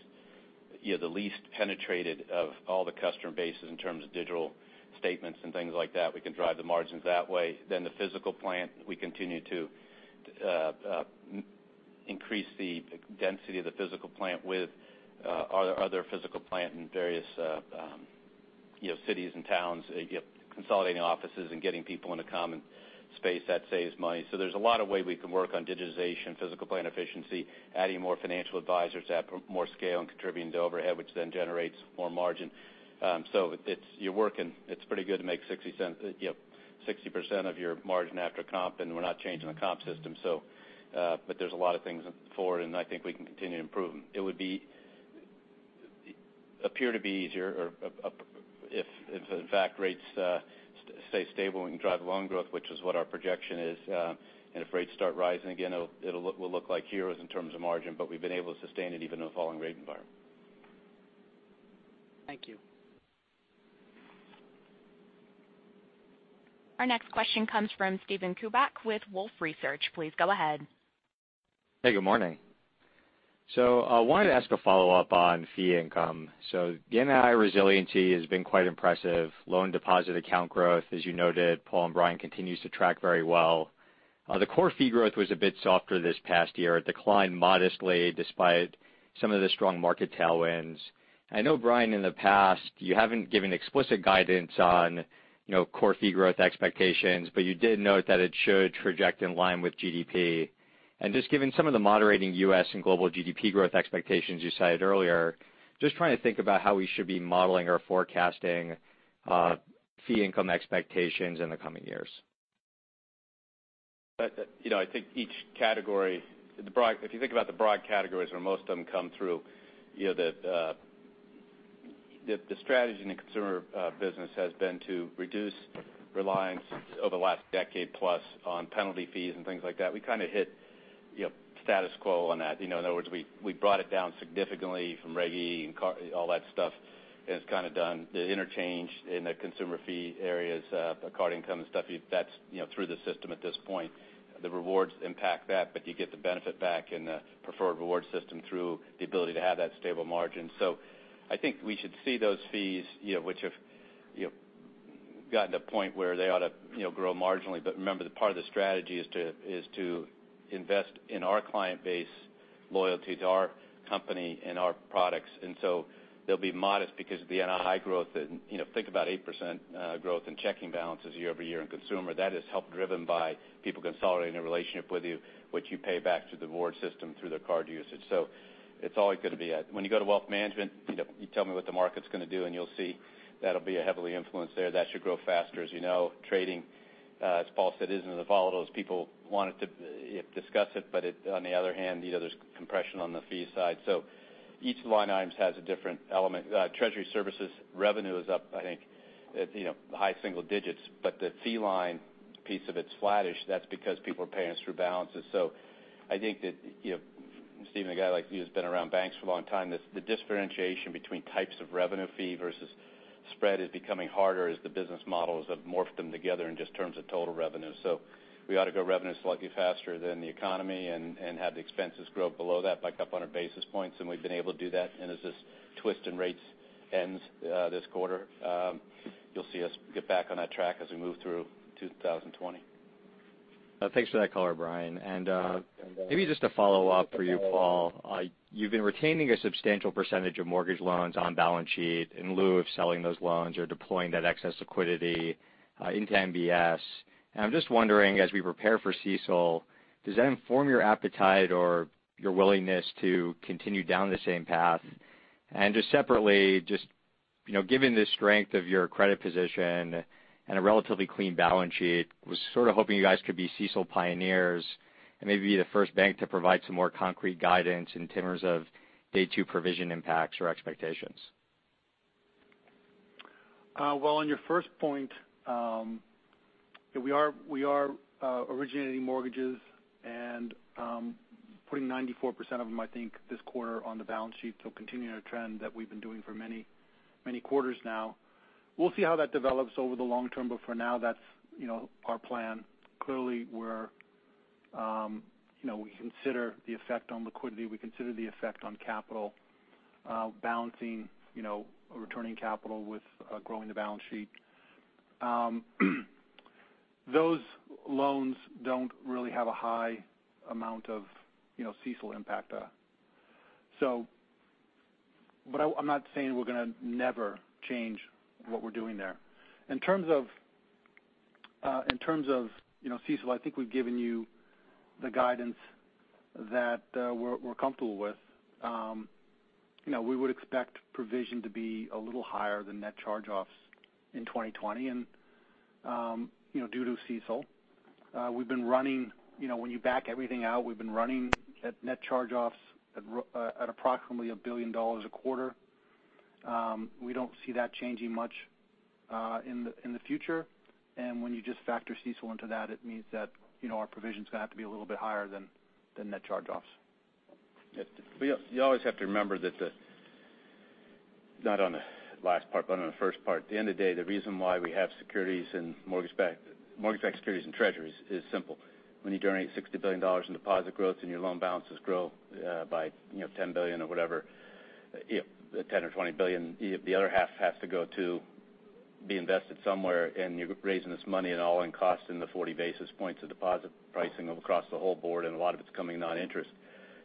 the least penetrated of all the customer bases in terms of digital statements and things like that. We can drive the margins that way. The physical plant, we continue to increase the density of the physical plant with other physical plant in various cities and towns, consolidating offices and getting people in a common space. That saves money. There's a lot of way we can work on digitization, physical plant efficiency, adding more financial advisors to add more scale and contributing to overhead, which then generates more margin. You're working. It's pretty good to make 60% of your margin after comp, and we're not changing the comp system. There's a lot of things forward, and I think we can continue to improve them. It would appear to be easier or if in fact rates stay stable and can drive loan growth, which is what our projection is. If rates start rising again, it'll look like heroes in terms of margin, but we've been able to sustain it even in a falling rate environment. Thank you. Our next question comes from Steven Chubak with Wolfe Research. Please go ahead. Hey, good morning. I wanted to ask a follow-up on fee income. The NII resiliency has been quite impressive. Loan deposit account growth, as you noted, Paul and Brian, continues to track very well. The core fee growth was a bit softer this past year. It declined modestly despite some of the strong market tailwinds. I know, Brian, in the past, you haven't given explicit guidance on core fee growth expectations, but you did note that it should traject in line with GDP. Just given some of the moderating U.S. and global GDP growth expectations you cited earlier, just trying to think about how we should be modeling or forecasting fee income expectations in the coming years. I think each category, if you think about the broad categories where most of them come through, the strategy in the Consumer Banking has been to reduce reliance over the last decade plus on penalty fees and things like that. We kind of hit status quo on that. In other words, we brought it down significantly from Regulation E and all that stuff, and it's kind of done. The interchange in the consumer fee areas, the card income and stuff, that's through the system at this point. The rewards impact that, you get the benefit back in the preferred reward system through the ability to have that stable margin. I think we should see those fees which have gotten to a point where they ought to grow marginally. Remember, part of the strategy is to invest in our client base loyalty to our company and our products. They'll be modest because of the NII growth. Think about 8% growth in checking balances year-over-year in Consumer. That is help driven by people consolidating a relationship with you, which you pay back through the rewards system, through their card usage. It's always going to be that. When you go to Wealth Management, you tell me what the market's going to do, and you'll see that'll be a heavily influence there. That should grow faster. As you know, trading, as Paul said, isn't as volatile as people want it to discuss it. On the other hand, there's compression on the fee side. Each line item has a different element. Treasury services revenue is up, I think, high single digits. The fee line piece of it's flattish. That's because people are paying us through balances. I think that Steven, a guy like you who's been around banks for a long time, the differentiation between types of revenue fee versus spread is becoming harder as the business models have morphed them together in just terms of total revenue. We ought to grow revenue slightly faster than the economy and have the expenses grow below that by a couple of hundred basis points. We've been able to do that. As this twist in rates ends this quarter, you'll see us get back on that track as we move through 2020. Thanks for that color, Brian. Maybe just a follow-up for you, Paul. You've been retaining a substantial percentage of mortgage loans on balance sheet in lieu of selling those loans or deploying that excess liquidity into MBS. I'm just wondering, as we prepare for CECL, does that inform your appetite or your willingness to continue down the same path? Just separately, just given the strength of your credit position and a relatively clean balance sheet, was sort of hoping you guys could be CECL pioneers and maybe the first bank to provide some more concrete guidance in terms of day 2 provision impacts or expectations. On your first point, we are originating mortgages and putting 94% of them, I think, this quarter on the balance sheet. Continuing a trend that we've been doing for many quarters now. We'll see how that develops over the long term. For now, that's our plan. Clearly, we consider the effect on liquidity. We consider the effect on capital balancing, returning capital with growing the balance sheet. Those loans don't really have a high amount of CECL impact. I'm not saying we're going to never change what we're doing there. In terms of CECL, I think we've given you the guidance that we're comfortable with. We would expect provision to be a little higher than net charge-offs in 2020 due to CECL. When you back everything out, we've been running at net charge-offs at approximately $1 billion a quarter. We don't see that changing much in the future. When you just factor CECL into that, it means that our provision is going to have to be a little bit higher than net charge-offs. You always have to remember. Not on the last part, but on the first part. At the end of the day, the reason why we have securities and mortgage-backed securities and treasuries is simple. When you generate $60 billion in deposit growth and your loan balances grow by $10 billion or whatever, $10 or $20 billion, the other half has to go to be invested somewhere. You're raising this money at all-in cost in the 40 basis points of deposit pricing across the whole board, and a lot of it's coming non-interest.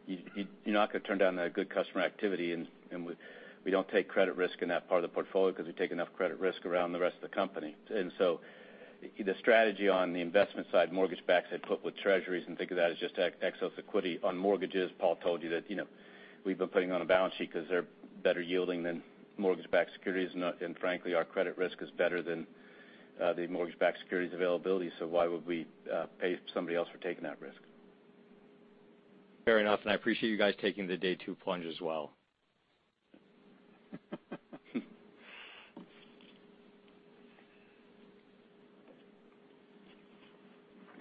You're not going to turn down that good customer activity. We don't take credit risk in that part of the portfolio because we take enough credit risk around the rest of the company. The strategy on the investment side, mortgage-backed, I'd put with treasuries and think of that as just excess equity. On mortgages, Paul told you that we've been putting on a balance sheet because they're better yielding than mortgage-backed securities. Frankly, our credit risk is better than the mortgage-backed securities availability, why would we pay somebody else for taking that risk? Fair enough, and I appreciate you guys taking the day two plunge as well.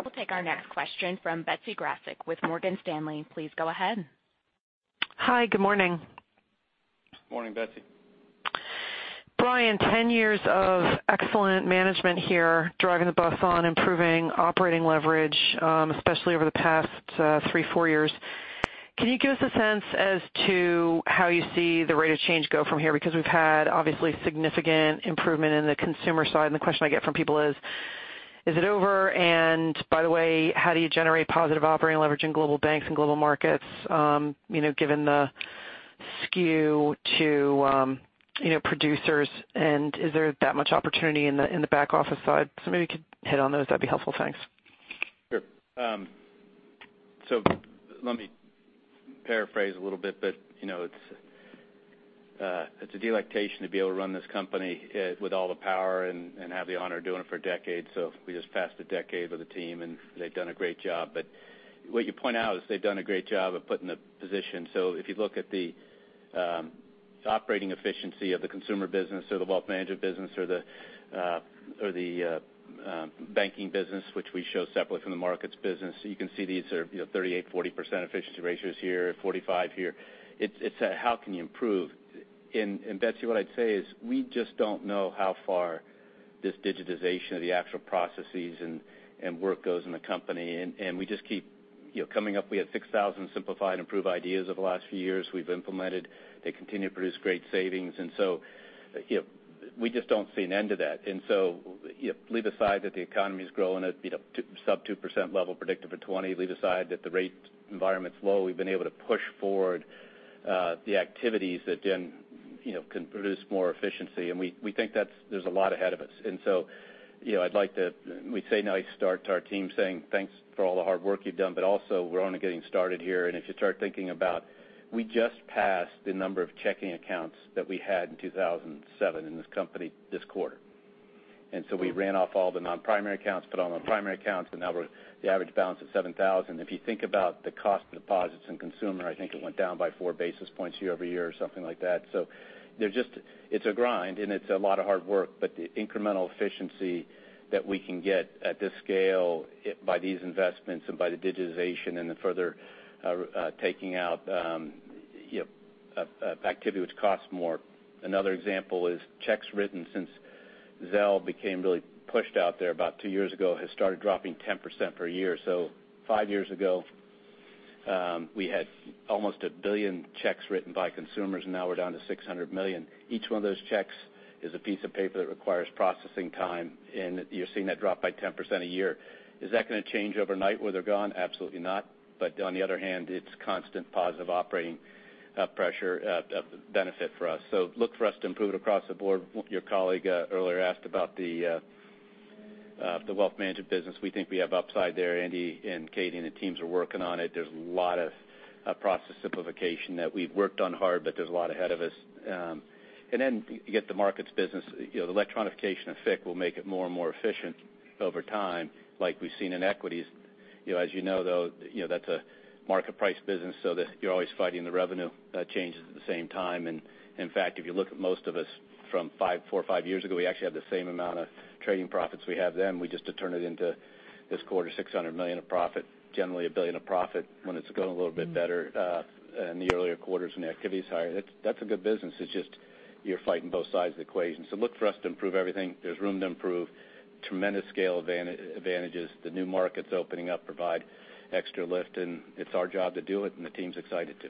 We'll take our next question from Betsy Graseck with Morgan Stanley. Please go ahead. Hi, good morning. Morning, Betsy. Brian, 10 years of excellent management here, driving the bus on improving operating leverage, especially over the past three, four years. Can you give us a sense as to how you see the rate of change go from here? We've had obviously significant improvement in the consumer side, and the question I get from people is it over? By the way, how do you generate positive operating leverage in global banks and global markets, given the skew to producers? Is there that much opportunity in the back office side? Maybe you could hit on those, that'd be helpful. Thanks. Sure. Let me paraphrase a little bit, it's a delectation to be able to run this company with all the power and have the honor of doing it for decades. We just passed a decade with a team, and they've done a great job. What you point out is they've done a great job of putting the position. If you look at the operating efficiency of the consumer business or the wealth management business or the banking business, which we show separately from the markets business, you can see these are 38%, 40% efficiency ratios here, 45% here. Betsy, what I'd say is we just don't know how far this digitization of the actual processes and work goes in the company. We just keep coming up. We have 6,000 simplify and improve ideas over the last few years we've implemented. They continue to produce great savings. We just don't see an end to that. Leave aside that the economy is growing at sub 2% level predicted for 2020. Leave aside that the rate environment's low. We've been able to push forward the activities that then can produce more efficiency. We think there's a lot ahead of us. We say nice start to our team saying, "Thanks for all the hard work you've done," but also we're only getting started here. If you start thinking about we just passed the number of checking accounts that we had in 2007 in this company this quarter. We ran off all the non-primary accounts, put on the primary accounts, and now the average balance is $7,000. If you think about the cost of deposits in consumer, I think it went down by four basis points year-over-year or something like that. It's a grind, and it's a lot of hard work. The incremental efficiency that we can get at this scale by these investments and by the digitization and the further taking out activity which costs more. Another example is checks written since Zelle became really pushed out there about two years ago has started dropping 10% per year. Five years ago, we had almost $1 billion checks written by consumers, and now we're down to $600 million. Each one of those checks is a piece of paper that requires processing time, and you're seeing that drop by 10% a year. Is that going to change overnight where they're gone? Absolutely not. On the other hand, it's constant positive operating pressure benefit for us. Look for us to improve it across the board. Your colleague earlier asked about the wealth management business. We think we have upside there. Andy and Katy and the teams are working on it. There's a lot of process simplification that we've worked on hard, but there's a lot ahead of us. Then you get the Global Markets business. The electronification of FICC will make it more and more efficient over time, like we've seen in equities. As you know, though, that's a market price business, so you're always fighting the revenue changes at the same time. In fact, if you look at most of us from four or five years ago, we actually have the same amount of trading profits we had then. We just had turned it into this quarter, $600 million of profit. Generally, $1 billion of profit when it's going a little bit better in the earlier quarters when the activity is higher. That's a good business. It's just you're fighting both sides of the equation. Look for us to improve everything. There's room to improve. Tremendous scale advantages. The new markets opening up provide extra lift, and it's our job to do it, and the team's excited to.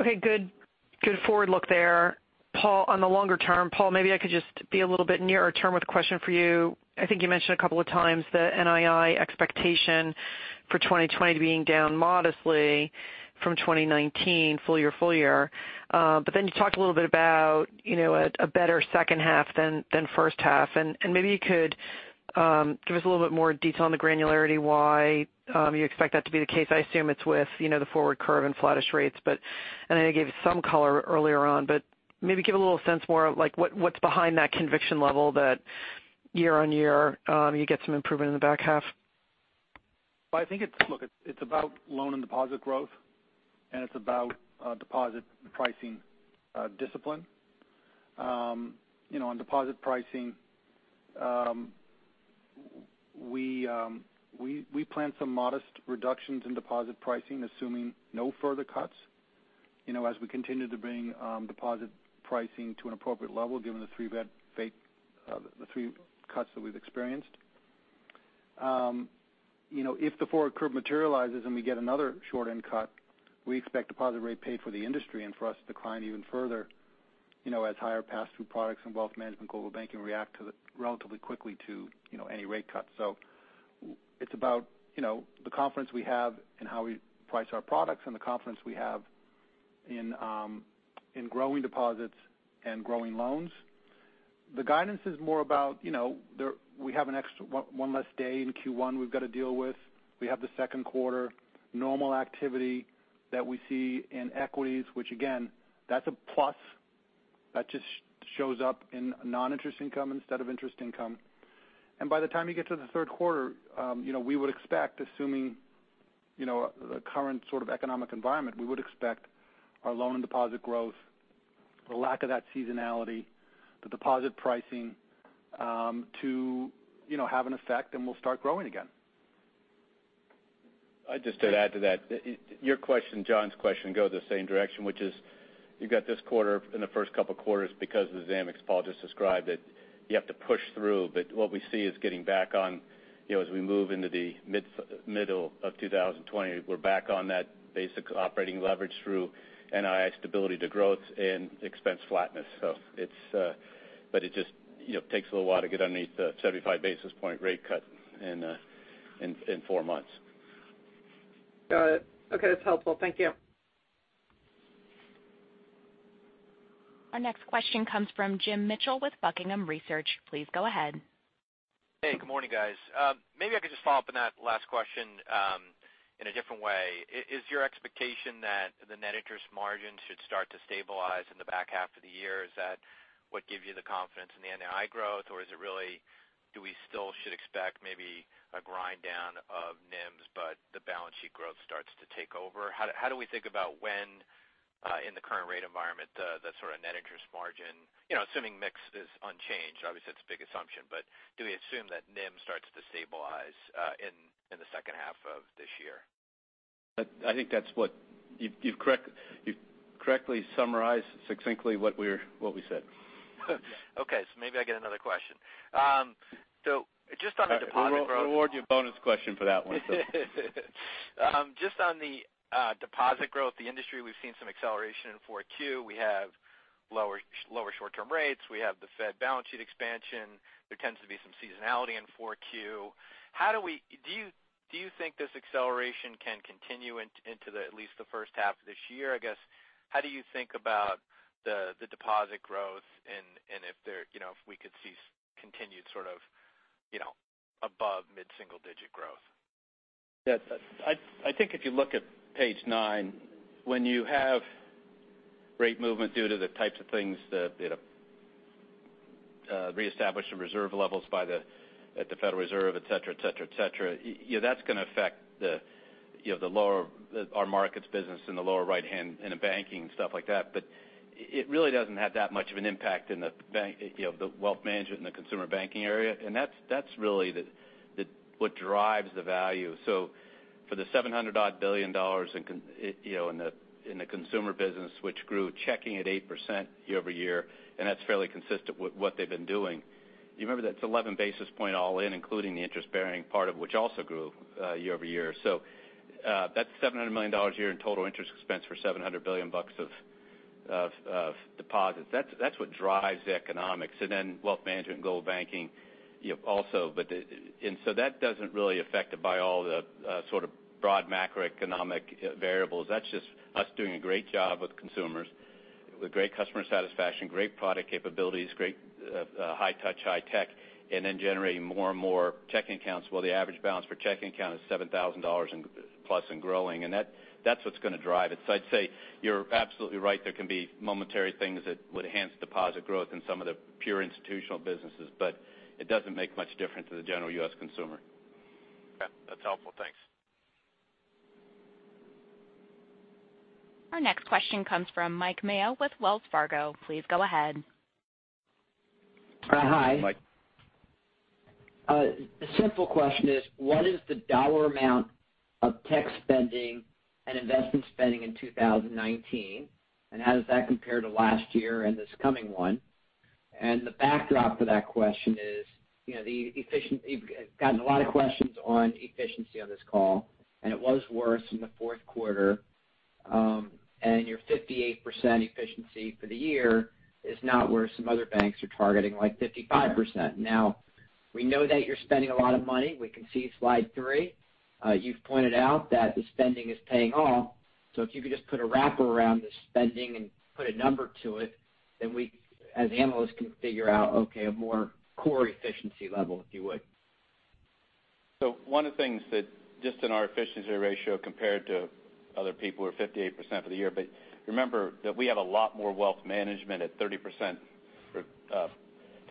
Okay, good. Good forward look there. Paul, on the longer term, Paul, maybe I could just be a little bit nearer term with a question for you. I think you mentioned a couple of times the NII expectation for 2020 being down modestly from 2019 full year, full year. You talked a little bit about a better second half than first half. Maybe you could give us a little bit more detail on the granularity why you expect that to be the case. I assume it's with the forward curve and flattish rates. I know you gave some color earlier on, but maybe give a little sense more of what's behind that conviction level that year-over-year you get some improvement in the back half. I think it's about loan and deposit growth, and it's about deposit pricing discipline. We plan some modest reductions in deposit pricing, assuming no further cuts as we continue to bring deposit pricing to an appropriate level given the three cuts that we've experienced. If the forward curve materializes and we get another short-end cut, we expect deposit rate paid for the industry and for us to decline even further as higher pass-through products and wealth management Global Banking react relatively quickly to any rate cuts. It's about the confidence we have in how we price our products and the confidence we have in growing deposits and growing loans. The guidance is more about we have one less day in Q1 we've got to deal with. We have the second quarter normal activity that we see in equities, which again, that's a plus. That just shows up in non-interest income instead of interest income. By the time you get to the third quarter, we would expect, assuming the current sort of economic environment, we would expect our loan and deposit growth, the lack of that seasonality, the deposit pricing to have an effect, and we'll start growing again. I'd just add to that. Your question, John's question go the same direction, which is you've got this quarter in the first couple quarters because of the dynamics Paul just described that you have to push through. What we see is getting back on as we move into the middle of 2020. We're back on that basic operating leverage through NII stability to growth and expense flatness. It just takes a little while to get underneath the 75 basis point rate cut in four months. Got it. Okay, that's helpful. Thank you. Our next question comes from Jim Mitchell with Buckingham Research. Please go ahead. Hey, good morning, guys. Maybe I could just follow up on that last question in a different way. Is your expectation that the net interest margin should start to stabilize in the back half of the year? Is that what gives you the confidence in the NII growth, or is it really do we still should expect maybe a grind down of NIMs, but the balance sheet growth starts to take over? How do we think about when in the current rate environment, the sort of net interest margin, assuming mix is unchanged? Obviously, that's a big assumption. Do we assume that NIM starts to stabilize in the second half of this year? I think you've correctly summarized succinctly what we said. Okay. Maybe I get another question? Just on the deposit growth- We'll reward you a bonus question for that one. Just on the deposit growth, the industry, we've seen some acceleration in Q4. We have lower short-term rates. We have the Fed balance sheet expansion. There tends to be some seasonality in Q4. Do you think this acceleration can continue into at least the first half of this year? I guess, how do you think about the deposit growth and if we could see continued sort of above mid-single digit growth? I think if you look at page nine, when you have rate movement due to the types of things that reestablish the reserve levels at the Federal Reserve, et cetera. That's going to affect our Global Markets in the lower right-hand in the Global Banking and stuff like that. It really doesn't have that much of an impact in the Wealth Management and the Consumer Banking area. That's really what drives the value. For the $700 odd billion in the Consumer Banking business which grew checking at 8% year-over-year, that's fairly consistent with what they've been doing. You remember that's 11 basis points all-in, including the interest-bearing part of which also grew year-over-year. That's $700 million a year in total interest expense for $700 billion of deposits. That's what drives the economics, and Wealth Management and Global Banking also. That doesn't really affect it by all the sort of broad macroeconomic variables. That's just us doing a great job with consumers, with great customer satisfaction, great product capabilities, great high touch, high tech, and then generating more and more checking accounts while the average balance per checking account is $7,000 plus and growing. That's what's going to drive it. I'd say you're absolutely right. There can be momentary things that would enhance deposit growth in some of the pure institutional businesses, but it doesn't make much difference to the general U.S. consumer. Okay. That's helpful. Thanks. Our next question comes from Mike Mayo with Wells Fargo. Please go ahead. Hi. Hi, Mike. A simple question is, what is the dollar amount of tech spending and investment spending in 2019, and how does that compare to last year and this coming one? The backdrop to that question is, you've gotten a lot of questions on efficiency on this call, and it was worse in the fourth quarter. Your 58% efficiency for the year is not where some other banks are targeting, like 55%. We know that you're spending a lot of money. We can see slide three. You've pointed out that the spending is paying off. If you could just put a wrapper around the spending and put a number to it, we, as analysts, can figure out, okay, a more core efficiency level, if you would. One of the things that just in our efficiency ratio compared to other people are 58% for the year. Remember that we have a lot more Wealth Management at 30%,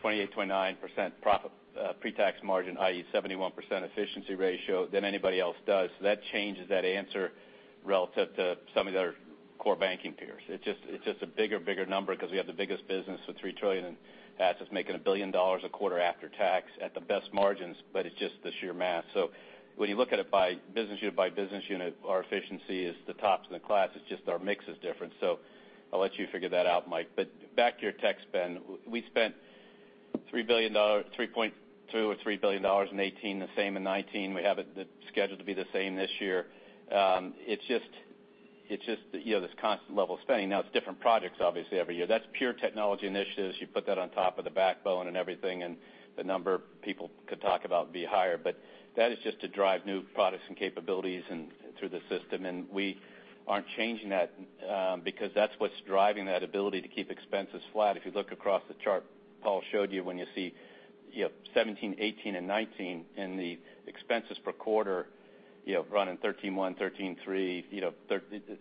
28%, 29% pre-tax margin, i.e., 71% efficiency ratio than anybody else does. That changes that answer relative to some of the other core banking peers. It's just a bigger number because we have the biggest business with $3 trillion in assets making $1 billion a quarter after tax at the best margins. It's just the sheer math. When you look at it by business unit, our efficiency is the tops in the class. It's just our mix is different. I'll let you figure that out, Mike. Back to your tech spend. We spent $3.2 or $3 billion in 2018, the same in 2019. We have it scheduled to be the same this year. It's just this constant level of spending. It's different projects, obviously, every year. That's pure technology initiatives. You put that on top of the backbone and everything, and the number people could talk about would be higher. That is just to drive new products and capabilities through the system, and we aren't changing that because that's what's driving that ability to keep expenses flat. If you look across the chart Paul showed you, when you see 2017, 2018, and 2019, and the expenses per quarter running $13.1, $13.3,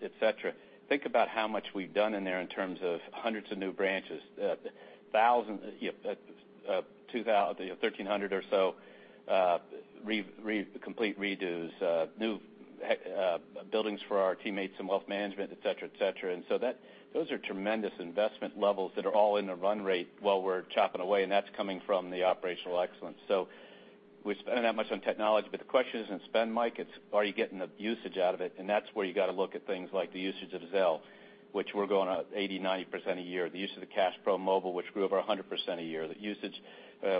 et cetera. Think about how much we've done in there in terms of hundreds of new branches. 1,300 or so complete redos, new buildings for our teammates in wealth management, et cetera. Those are tremendous investment levels that are all in the run rate while we're chopping away, and that's coming from the operational excellence. We spend that much on technology. The question isn't spend, Mike, it's are you getting the usage out of it? That's where you got to look at things like the usage of Zelle, which we're going on 80%-90% a year. The use of the CashPro mobile, which grew over 100% a year. The usage,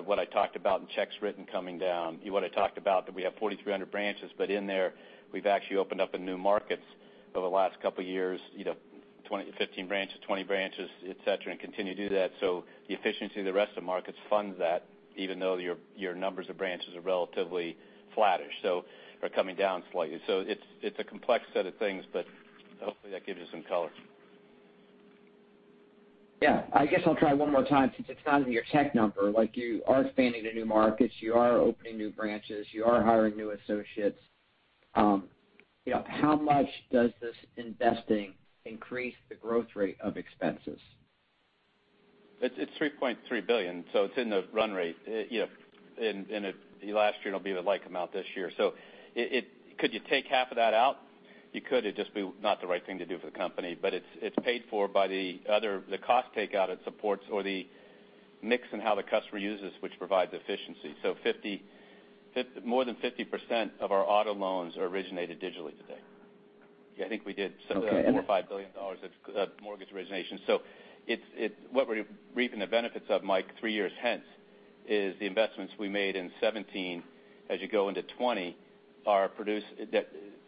what I talked about in checks written coming down. What I talked about, that we have 4,300 branches, but in there, we've actually opened up in new markets over the last couple of years. 15 branches, 20 branches, et cetera, and continue to do that. The efficiency of the rest of the markets funds that even though your numbers of branches are relatively flattish. They're coming down slightly. It's a complex set of things, but hopefully that gives you some color. Yeah. I guess I'll try one more time since it's not in your tech number. You are expanding to new markets. You are opening new branches. You are hiring new associates. How much does this investing increase the growth rate of expenses? It's $3.3 billion, so it's in the run rate. The last year, it'll be the like amount this year. Could you take half of that out? You could. It'd just be not the right thing to do for the company. It's paid for by the other, the cost takeout it supports or the mix in how the customer uses, which provides efficiency. More than 50% of our auto loans are originated digitally today. I think we did- Okay $4 or $5 billion of mortgage origination. What we're reaping the benefits of, Mike, three years hence, is the investments we made in 2017 as you go into 2020 are produced.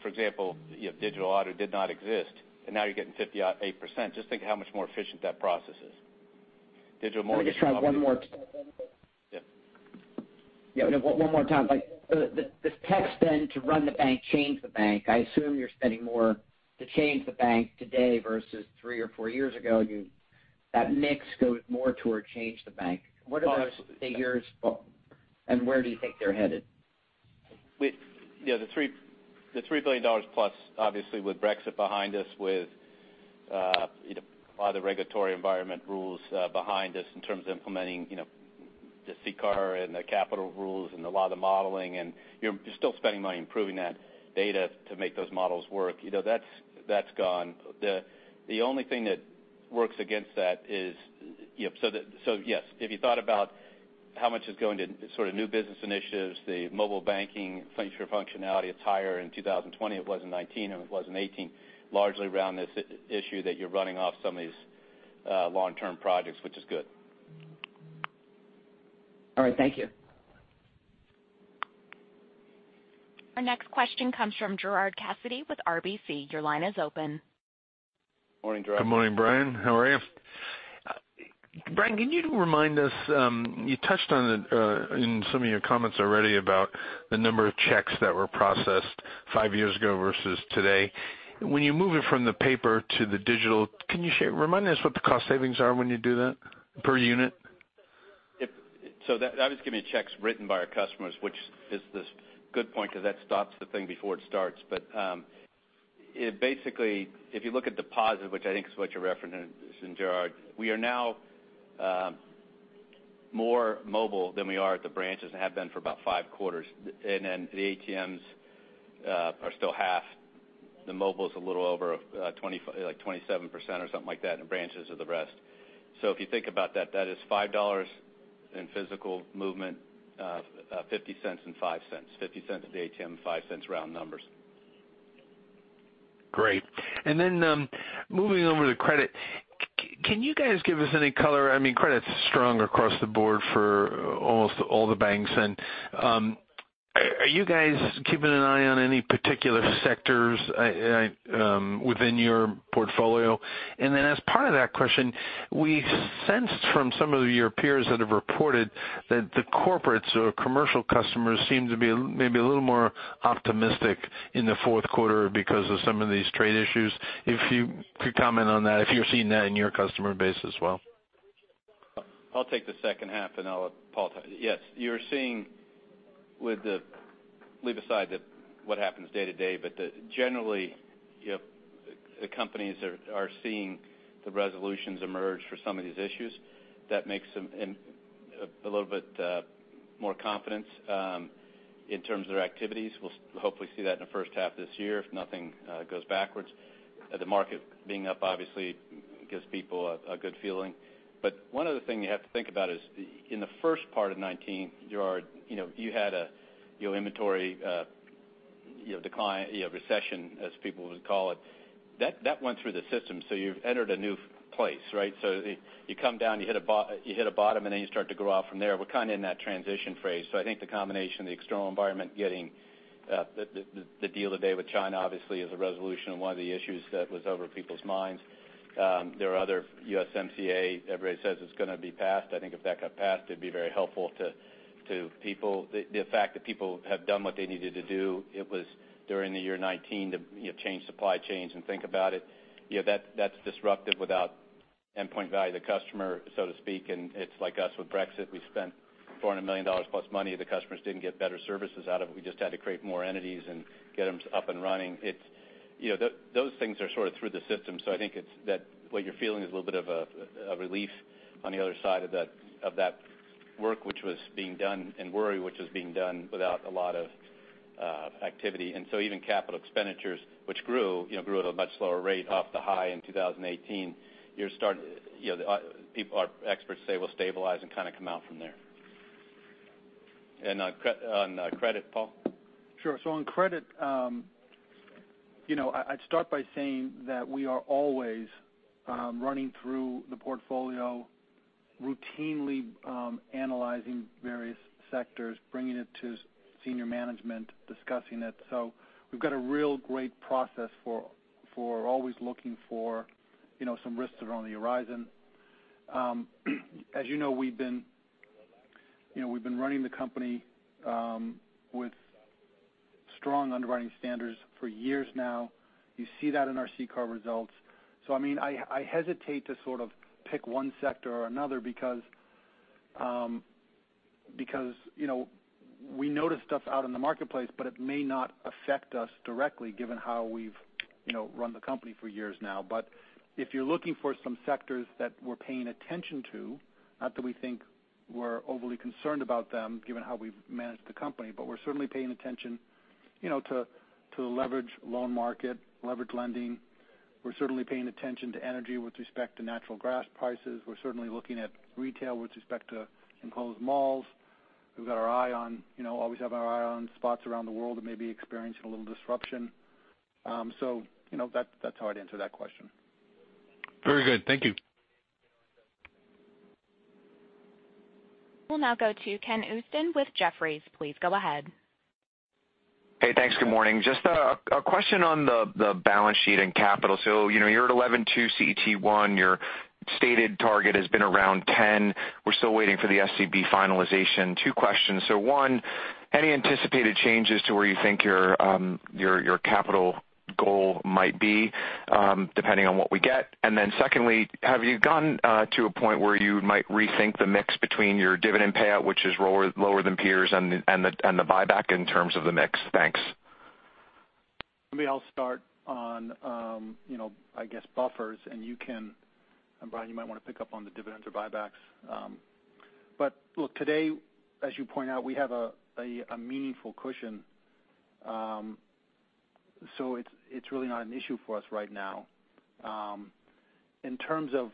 For example, digital auto did not exist, and now you're getting 58%. Just think of how much more efficient that process is. digital mortgage. Let me just try one more. Yeah. One more time. This tech spend to run the bank, change the bank, I assume you're spending more to change the bank today versus three or four years ago. That mix goes more toward change the bank. What are those figures, and where do you think they're headed? The $3 billion plus, obviously, with Brexit behind us, with a lot of the regulatory environment rules behind us in terms of implementing the CCAR and the capital rules and a lot of the modeling, and you're still spending money improving that data to make those models work. That's gone. The only thing that works against that is. Yes, if you thought about how much is going to sort of new business initiatives, the mobile banking functionality, it's higher in 2020. It was in 2019, and it was in 2018, largely around this issue that you're running off some of these long-term projects, which is good. All right. Thank you. Our next question comes from Gerard Cassidy with RBC. Your line is open. Morning, Gerard. Good morning, Brian. How are you? Brian, can you remind us, you touched on it in some of your comments already about the number of checks that were processed five years ago versus today. When you move it from the paper to the digital, can you remind us what the cost savings are when you do that per unit? That was giving you checks written by our customers, which is this good point because that stops the thing before it starts. Basically, if you look at deposit, which I think is what you're referencing, Gerard, we are now more mobile than we are at the branches and have been for about five quarters. The ATMs are still half. The mobile is a little over 27% or something like that, and branches are the rest. If you think about that is $5 in physical movement, $0.50 and $0.05. $0.50 at the ATM, $0.05 round numbers. Great. Moving over to credit. Can you guys give us any color? Credit's strong across the board for almost all the banks. Are you guys keeping an eye on any particular sectors within your portfolio? As part of that question, I sensed from some of your peers that have reported that the corporates or commercial customers seem to be maybe a little more optimistic in the fourth quarter because of some of these trade issues. If you could comment on that, if you're seeing that in your customer base as well. I'll take the second half and I'll let Paul talk. Yes. Generally, the companies are seeing the resolutions emerge for some of these issues. That makes them a little bit more confidence in terms of their activities. We'll hopefully see that in the first half of this year if nothing goes backwards. The market being up obviously gives people a good feeling. One other thing you have to think about is in the first part of 2019, Gerard, you had inventory decline, recession, as people would call it. That went through the system, you've entered a new place, right? You come down, you hit a bottom, and then you start to grow out from there. We're kind of in that transition phase. I think the combination of the external environment getting the deal today with China obviously is a resolution of one of the issues that was over people's minds. There are other, USMCA, everybody says it's going to be passed. I think if that got passed, it'd be very helpful to people. The fact that people have done what they needed to do, it was during the year 2019 to change supply chains and think about it. That's disruptive without endpoint value to the customer, so to speak. It's like us with Brexit. We spent $400 million plus money. The customers didn't get better services out of it. We just had to create more entities and get them up and running. Those things are sort of through the system. I think that what you're feeling is a little bit of a relief on the other side of that work which was being done, and worry, which was being done without a lot of activity. Even capital expenditures, which grew at a much slower rate off the high in 2018, experts say we'll stabilize and kind of come out from there. On credit, Paul? Sure. On credit, I'd start by saying that we are always running through the portfolio routinely, analyzing various sectors, bringing it to senior management, discussing it. We've got a real great process for always looking for some risks that are on the horizon. As you know, we've been running the company with strong underwriting standards for years now. You see that in our CCAR results. I hesitate to sort of pick one sector or another because we notice stuff out in the marketplace, but it may not affect us directly given how we've run the company for years now. If you're looking for some sectors that we're paying attention to, not that we think we're overly concerned about them given how we've managed the company, but we're certainly paying attention to the leverage loan market, leverage lending. We're certainly paying attention to energy with respect to natural gas prices. We're certainly looking at retail with respect to enclosed malls. We always have our eye on spots around the world that may be experiencing a little disruption. That's how I'd answer that question. Very good. Thank you. We'll now go to Kenneth Usdin with Jefferies. Please go ahead. Hey, thanks. Good morning. Just a question on the balance sheet and capital. You're at 11.2 CET1. Your stated target has been around 10. We're still waiting for the SCB finalization. Two questions. One, any anticipated changes to where you think your capital goal might be depending on what we get? Secondly, have you gotten to a point where you might rethink the mix between your dividend payout, which is lower than peers, and the buyback in terms of the mix? Thanks. Maybe I'll start on, I guess, buffers, and Brian, you might want to pick up on the dividends or buybacks. Look, today, as you point out, we have a meaningful cushion. It's really not an issue for us right now. In terms of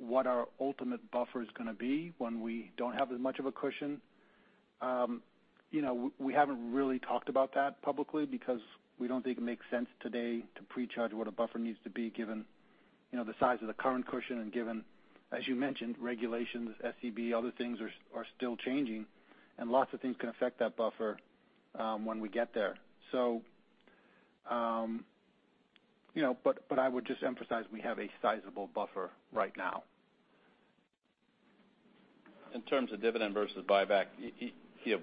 what our ultimate buffer is going to be when we don't have as much of a cushion. We haven't really talked about that publicly because we don't think it makes sense today to pre-charge what a buffer needs to be given the size of the current cushion and given, as you mentioned, regulations, SCB, other things are still changing, and lots of things can affect that buffer when we get there. I would just emphasize we have a sizable buffer right now. In terms of dividend versus buyback,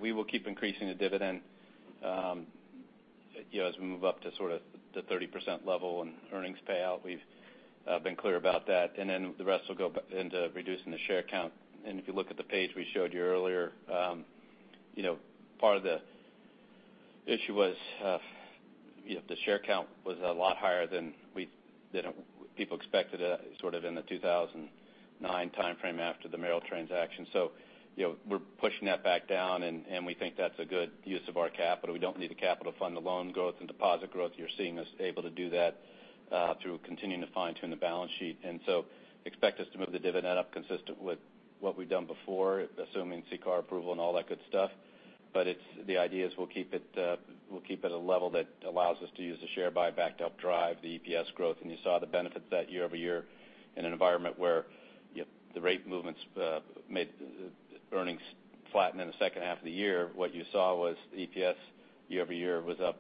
we will keep increasing the dividend as we move up to sort of the 30% level in earnings payout. We've been clear about that. The rest will go into reducing the share count. If you look at the page we showed you earlier, part of the issue was the share count was a lot higher than people expected sort of in the 2009 timeframe after the Merrill transaction. We're pushing that back down, and we think that's a good use of our capital. We don't need the capital fund, the loan growth, and deposit growth. You're seeing us able to do that through continuing to fine-tune the balance sheet. Expect us to move the dividend up consistent with what we've done before, assuming CCAR approval and all that good stuff. The idea is we'll keep it at a level that allows us to use the share buyback to help drive the EPS growth. You saw the benefit that year-over-year in an environment where the rate movements made earnings flatten in the second half of the year. What you saw was EPS year-over-year was up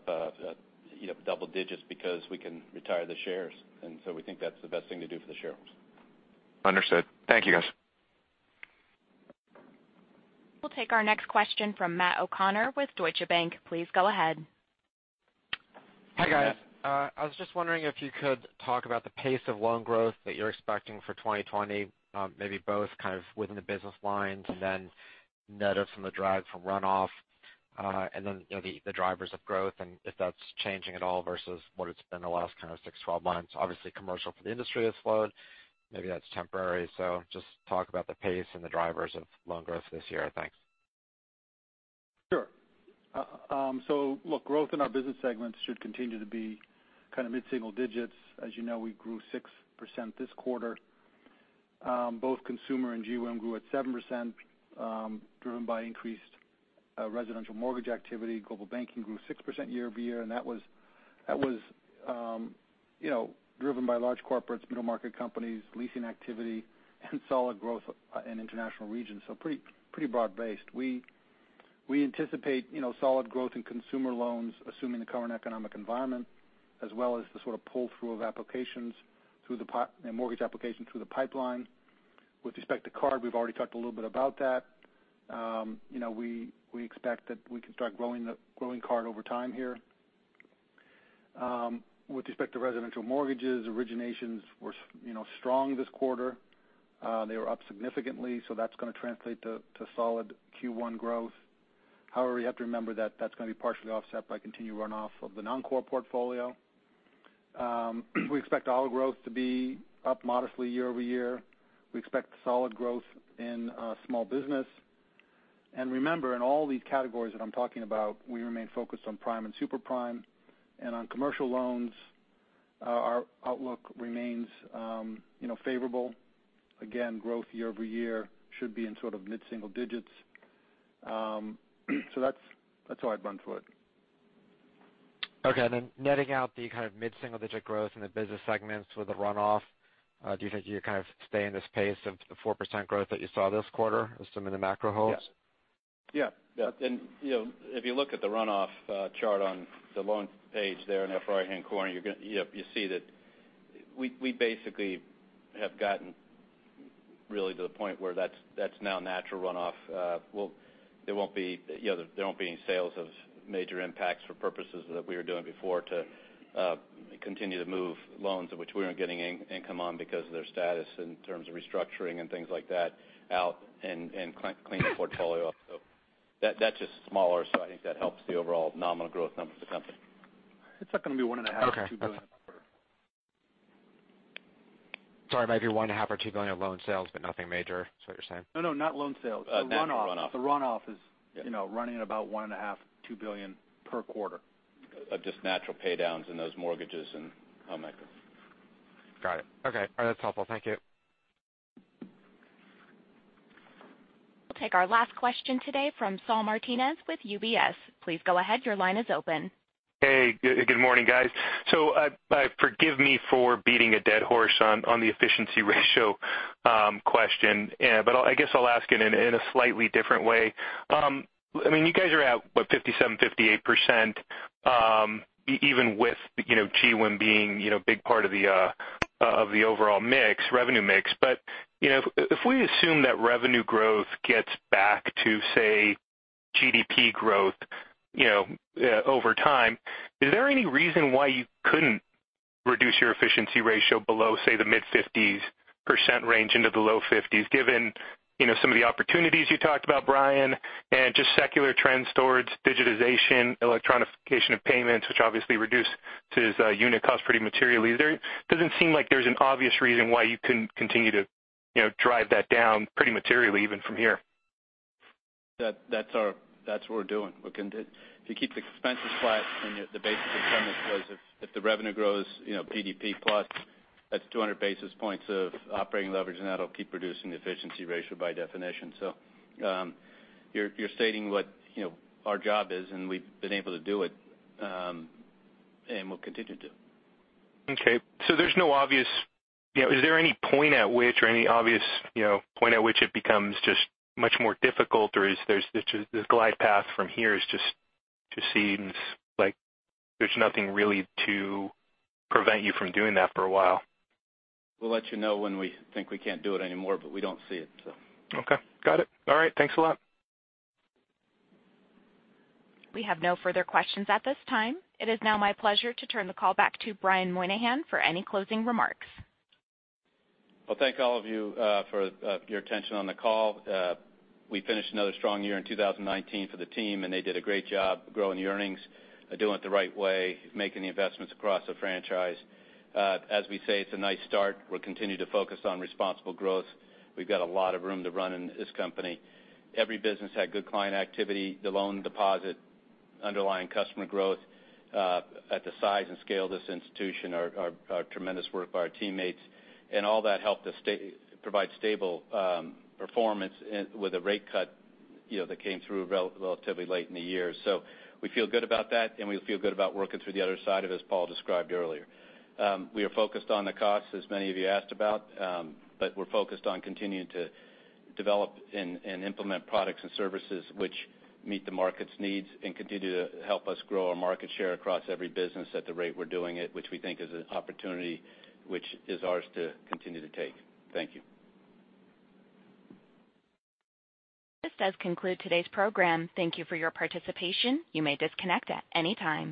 double digits because we can retire the shares. We think that's the best thing to do for the shareholders. Understood. Thank you, guys. We'll take our next question from Matthew O'Connor with Deutsche Bank. Please go ahead. Hi, guys. I was just wondering if you could talk about the pace of loan growth that you're expecting for 2020, maybe both kind of within the business lines and then net of some of the drag from runoff. The drivers of growth and if that's changing at all versus what it's been the last kind of six, 12 months. Obviously, commercial for the industry has slowed. Maybe that's temporary. Just talk about the pace and the drivers of loan growth this year. Thanks. Growth in our business segments should continue to be mid-single digits. As you know, we grew 6% this quarter. Both Consumer and GWIM grew at 7%, driven by increased residential mortgage activity. Global Banking grew 6% year-over-year, that was driven by large corporates, middle-market companies, leasing activity, and solid growth in international regions. Pretty broad-based. We anticipate solid growth in consumer loans, assuming the current economic environment, as well as the sort of pull-through of mortgage applications through the pipeline. With respect to card, we've already talked a little bit about that. We expect that we can start growing card over time here. With respect to residential mortgages, originations were strong this quarter. They were up significantly, that's going to translate to solid Q1 growth. However, you have to remember that that's going to be partially offset by continued runoff of the non-core portfolio. We expect oil growth to be up modestly year-over-year. We expect solid growth in small business. Remember, in all these categories that I'm talking about, we remain focused on prime and super prime. On commercial loans, our outlook remains favorable. Again, growth year-over-year should be in sort of mid-single digits. That's how I'd run through it. Okay. Netting out the kind of mid-single-digit growth in the business segments with the runoff, do you think you kind of stay in this pace of the 4% growth that you saw this quarter, assuming the macro holds? Yeah. If you look at the runoff chart on the loan page there in the right-hand corner, you see that we basically have gotten really to the point where that's now natural runoff. There won't be any sales of major impacts for purposes that we were doing before to continue to move loans which we weren't getting income on because of their status in terms of restructuring and things like that out, and clean the portfolio up. That's just smaller, so I think that helps the overall nominal growth numbers of the company. It's not going to be $1.5 billion, $2 billion. Okay. Sorry, maybe $ one and a half or $2 billion of loan sales, but nothing major, is what you're saying? No, not loan sales. The runoff. Natural runoff. The runoff is running at about $1.5 billion-$2 billion per quarter. Of just natural paydowns in those mortgages and home equity. Got it. Okay. That's helpful. Thank you. We'll take our last question today from Saul Martinez with UBS. Please go ahead, your line is open. Hey, good morning, guys. Forgive me for beating a dead horse on the efficiency ratio question, but I guess I'll ask it in a slightly different way. You guys are at what, 57%, 58% even with GWIM being a big part of the overall revenue mix. If we assume that revenue growth gets back to, say, GDP growth over time, is there any reason why you couldn't reduce your efficiency ratio below, say, the mid-50s% range into the low 50s%, given some of the opportunities you talked about, Brian, and just secular trends towards digitization, electronification of payments, which obviously reduce to unit cost pretty materially. It doesn't seem like there's an obvious reason why you couldn't continue to drive that down pretty materially even from here. That's what we're doing. If you keep the expenses flat and the basis of permits grows, if the revenue grows GDP plus, that's 200 basis points of operating leverage. That'll keep reducing the efficiency ratio by definition. You're stating what our job is, and we've been able to do it, and we'll continue to do it. Okay. Is there any point at which, or any obvious point at which it becomes just much more difficult? The glide path from here just seems like there's nothing really to prevent you from doing that for a while. We'll let you know when we think we can't do it anymore, but we don't see it. Okay. Got it. All right. Thanks a lot. We have no further questions at this time. It is now my pleasure to turn the call back to Brian Moynihan for any closing remarks. Thank all of you for your attention on the call. We finished another strong year in 2019 for the team, and they did a great job growing the earnings, doing it the right way, making the investments across the franchise. As we say, it's a nice start. We'll continue to focus on responsible growth. We've got a lot of room to run in this company. Every business had good client activity. The loan deposit, underlying customer growth at the size and scale of this institution are tremendous work by our teammates. All that helped us provide stable performance with a rate cut that came through relatively late in the year. We feel good about that, and we feel good about working through the other side of it, as Paul described earlier. We are focused on the costs, as many of you asked about, but we're focused on continuing to develop and implement products and services which meet the market's needs. Continue to help us grow our market share across every business at the rate we're doing it, which we think is an opportunity which is ours to continue to take. Thank you. This does conclude today's program. Thank you for your participation. You may disconnect at any time.